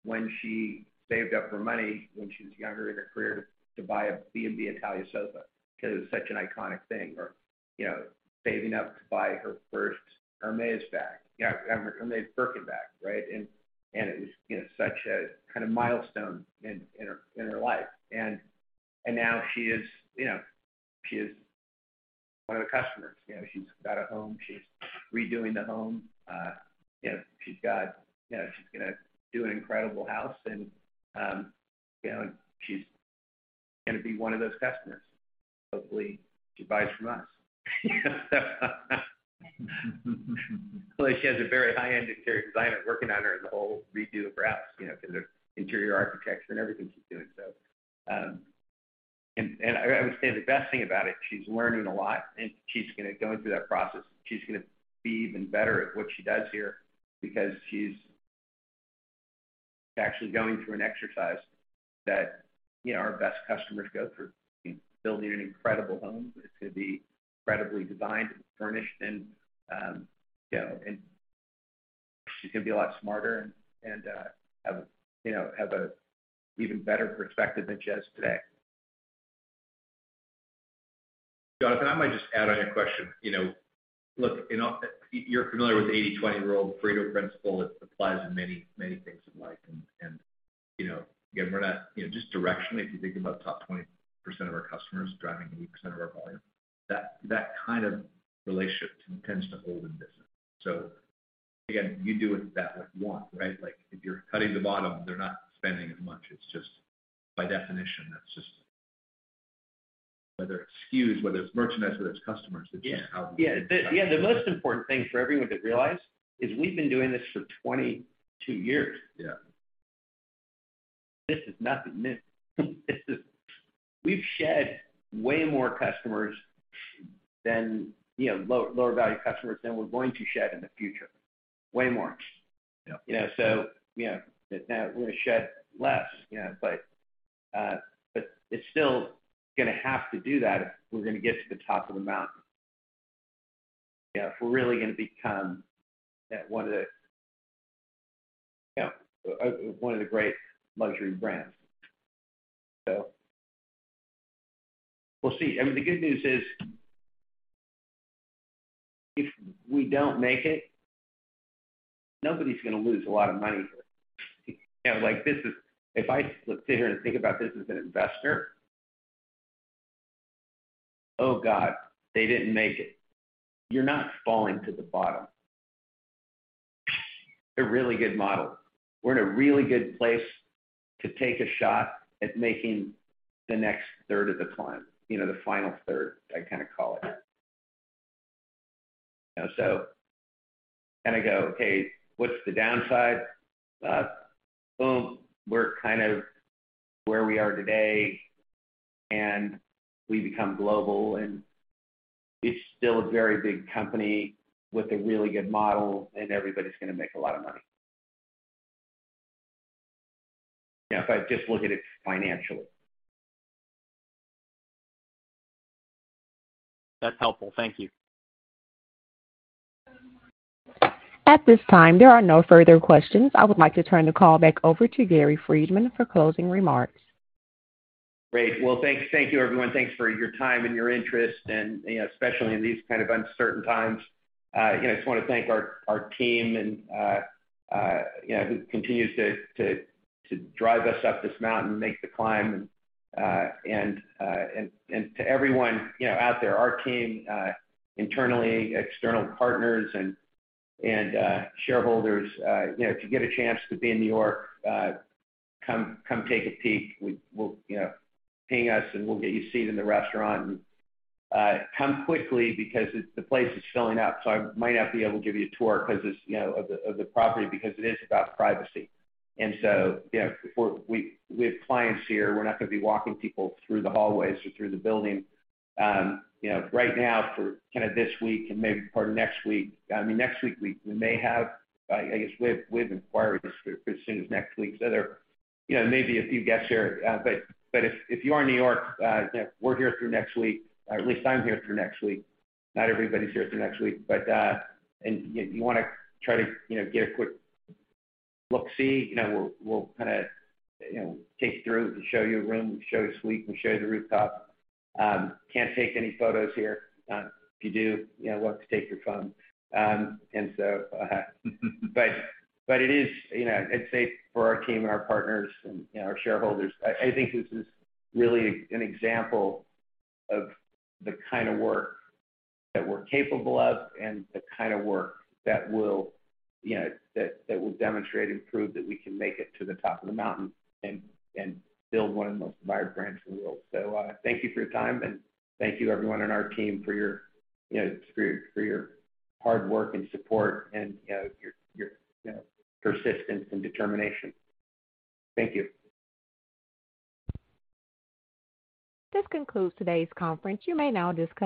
when she saved up her money when she was younger in her career to buy a B&B Italia sofa because it was such an iconic thing. Or, you know, saving up to buy her first Hermès bag. You know, Hermès Birkin bag, right? And it was, you know, such a kind of milestone in her life. And now she is, you know, she is one of the customers. She's got a home. She's redoing the home. You know, she's gonna do an incredible house and, you know, she's gonna be one of those customers. Hopefully, she buys from us. Well, she has a very high-end interior designer working on her in the whole redo of her house, you know, because there's interior architecture and everything she's doing, and I would say the best thing about it, she's learning a lot, and she's gonna go into that process. She's gonna be even better at what she does here because she's actually going through an exercise that, you know, our best customers go through in building an incredible home. It's gonna be incredibly designed and furnished and, you know, and she's gonna be a lot smarter and have, you know, have an even better perspective than she has today. Jonathan Matuszewski, I might just add on your question. You know, look, you know, you're familiar with the 80/20 rule, Pareto principle that applies in many, many things in life. You know, again, we're not. You know, just directionally, if you think about the top 20% of our customers driving 80% of our volume, that kind of relationship tends to hold in business. Again, you do it that way if you want, right? Like, if you're cutting the bottom, they're not spending as much. It's just by definition, that's just whether it's SKUs, whether it's merchandise, whether it's customers, it's just how we The most important thing for everyone to realize is we've been doing this for 22 years. Yeah. This is nothing new. We've shed way more customers than, you know, lower value customers than we're going to shed in the future. Way more. Yeah. You know, now we're gonna shed less, you know, but it's still gonna have to do that if we're gonna get to the top of the mountain. You know, if we're really gonna become one of the, you know, one of the great luxury brands. We'll see. I mean, the good news is, if we don't make it, nobody's gonna lose a lot of money here. You know, like this is. If I sit here and think about this as an investor, oh, God, they didn't make it. You're not falling to the bottom. It's a really good model. We're in a really good place to take a shot at making the next third of the climb, you know, the final third, I kind of call it. You know, kind of go, "Okay, what's the downside?" Boom, we're kind of where we are today, and we become global, and it's still a very big company with a really good model, and everybody's gonna make a lot of money. You know, if I just look at it financially. That's helpful. Thank you. At this time, there are no further questions. I would like to turn the call back over to Gary Friedman for closing remarks. Great. Well, thank you, everyone. Thanks for your time and your interest, and you know, especially in these kind of uncertain times. Just wanna thank our team and who continues to drive us up this mountain and make the climb. To everyone you know out there, our team internally, external partners and shareholders, you know, if you get a chance to be in New York, come take a peek. You'll ping us, and we'll get you seated in the restaurant. Come quickly because the place is filling up, so I might not be able to give you a tour because it's of the property because it is about privacy. We have clients here. We're not gonna be walking people through the hallways or through the building. Right now for kind of this week and maybe part of next week. I mean, next week we may have. I guess we have inquiries for as soon as next week. There may be a few guests here. If you are in New York, you know, we're here through next week, or at least I'm here through next week. Not everybody's here through next week. You wanna try to get a quick look-see, you know, we'll kinda take you through and show you a room, show you a suite, and show you the rooftop. Can't take any photos here. If you do, you know, we'll have to take your phone. It is, you know, I'd say for our team and our partners and, you know, our shareholders. I think this is really an example of the kind of work that we're capable of and the kind of work that will, you know, that will demonstrate and prove that we can make it to the top of the mountain and build one of the most admired brands in the world. Thank you for your time, and thank you everyone on our team for your, you know, for your hard work and support and, you know, your persistence and determination. Thank you. This concludes today's conference. You may now disconnect.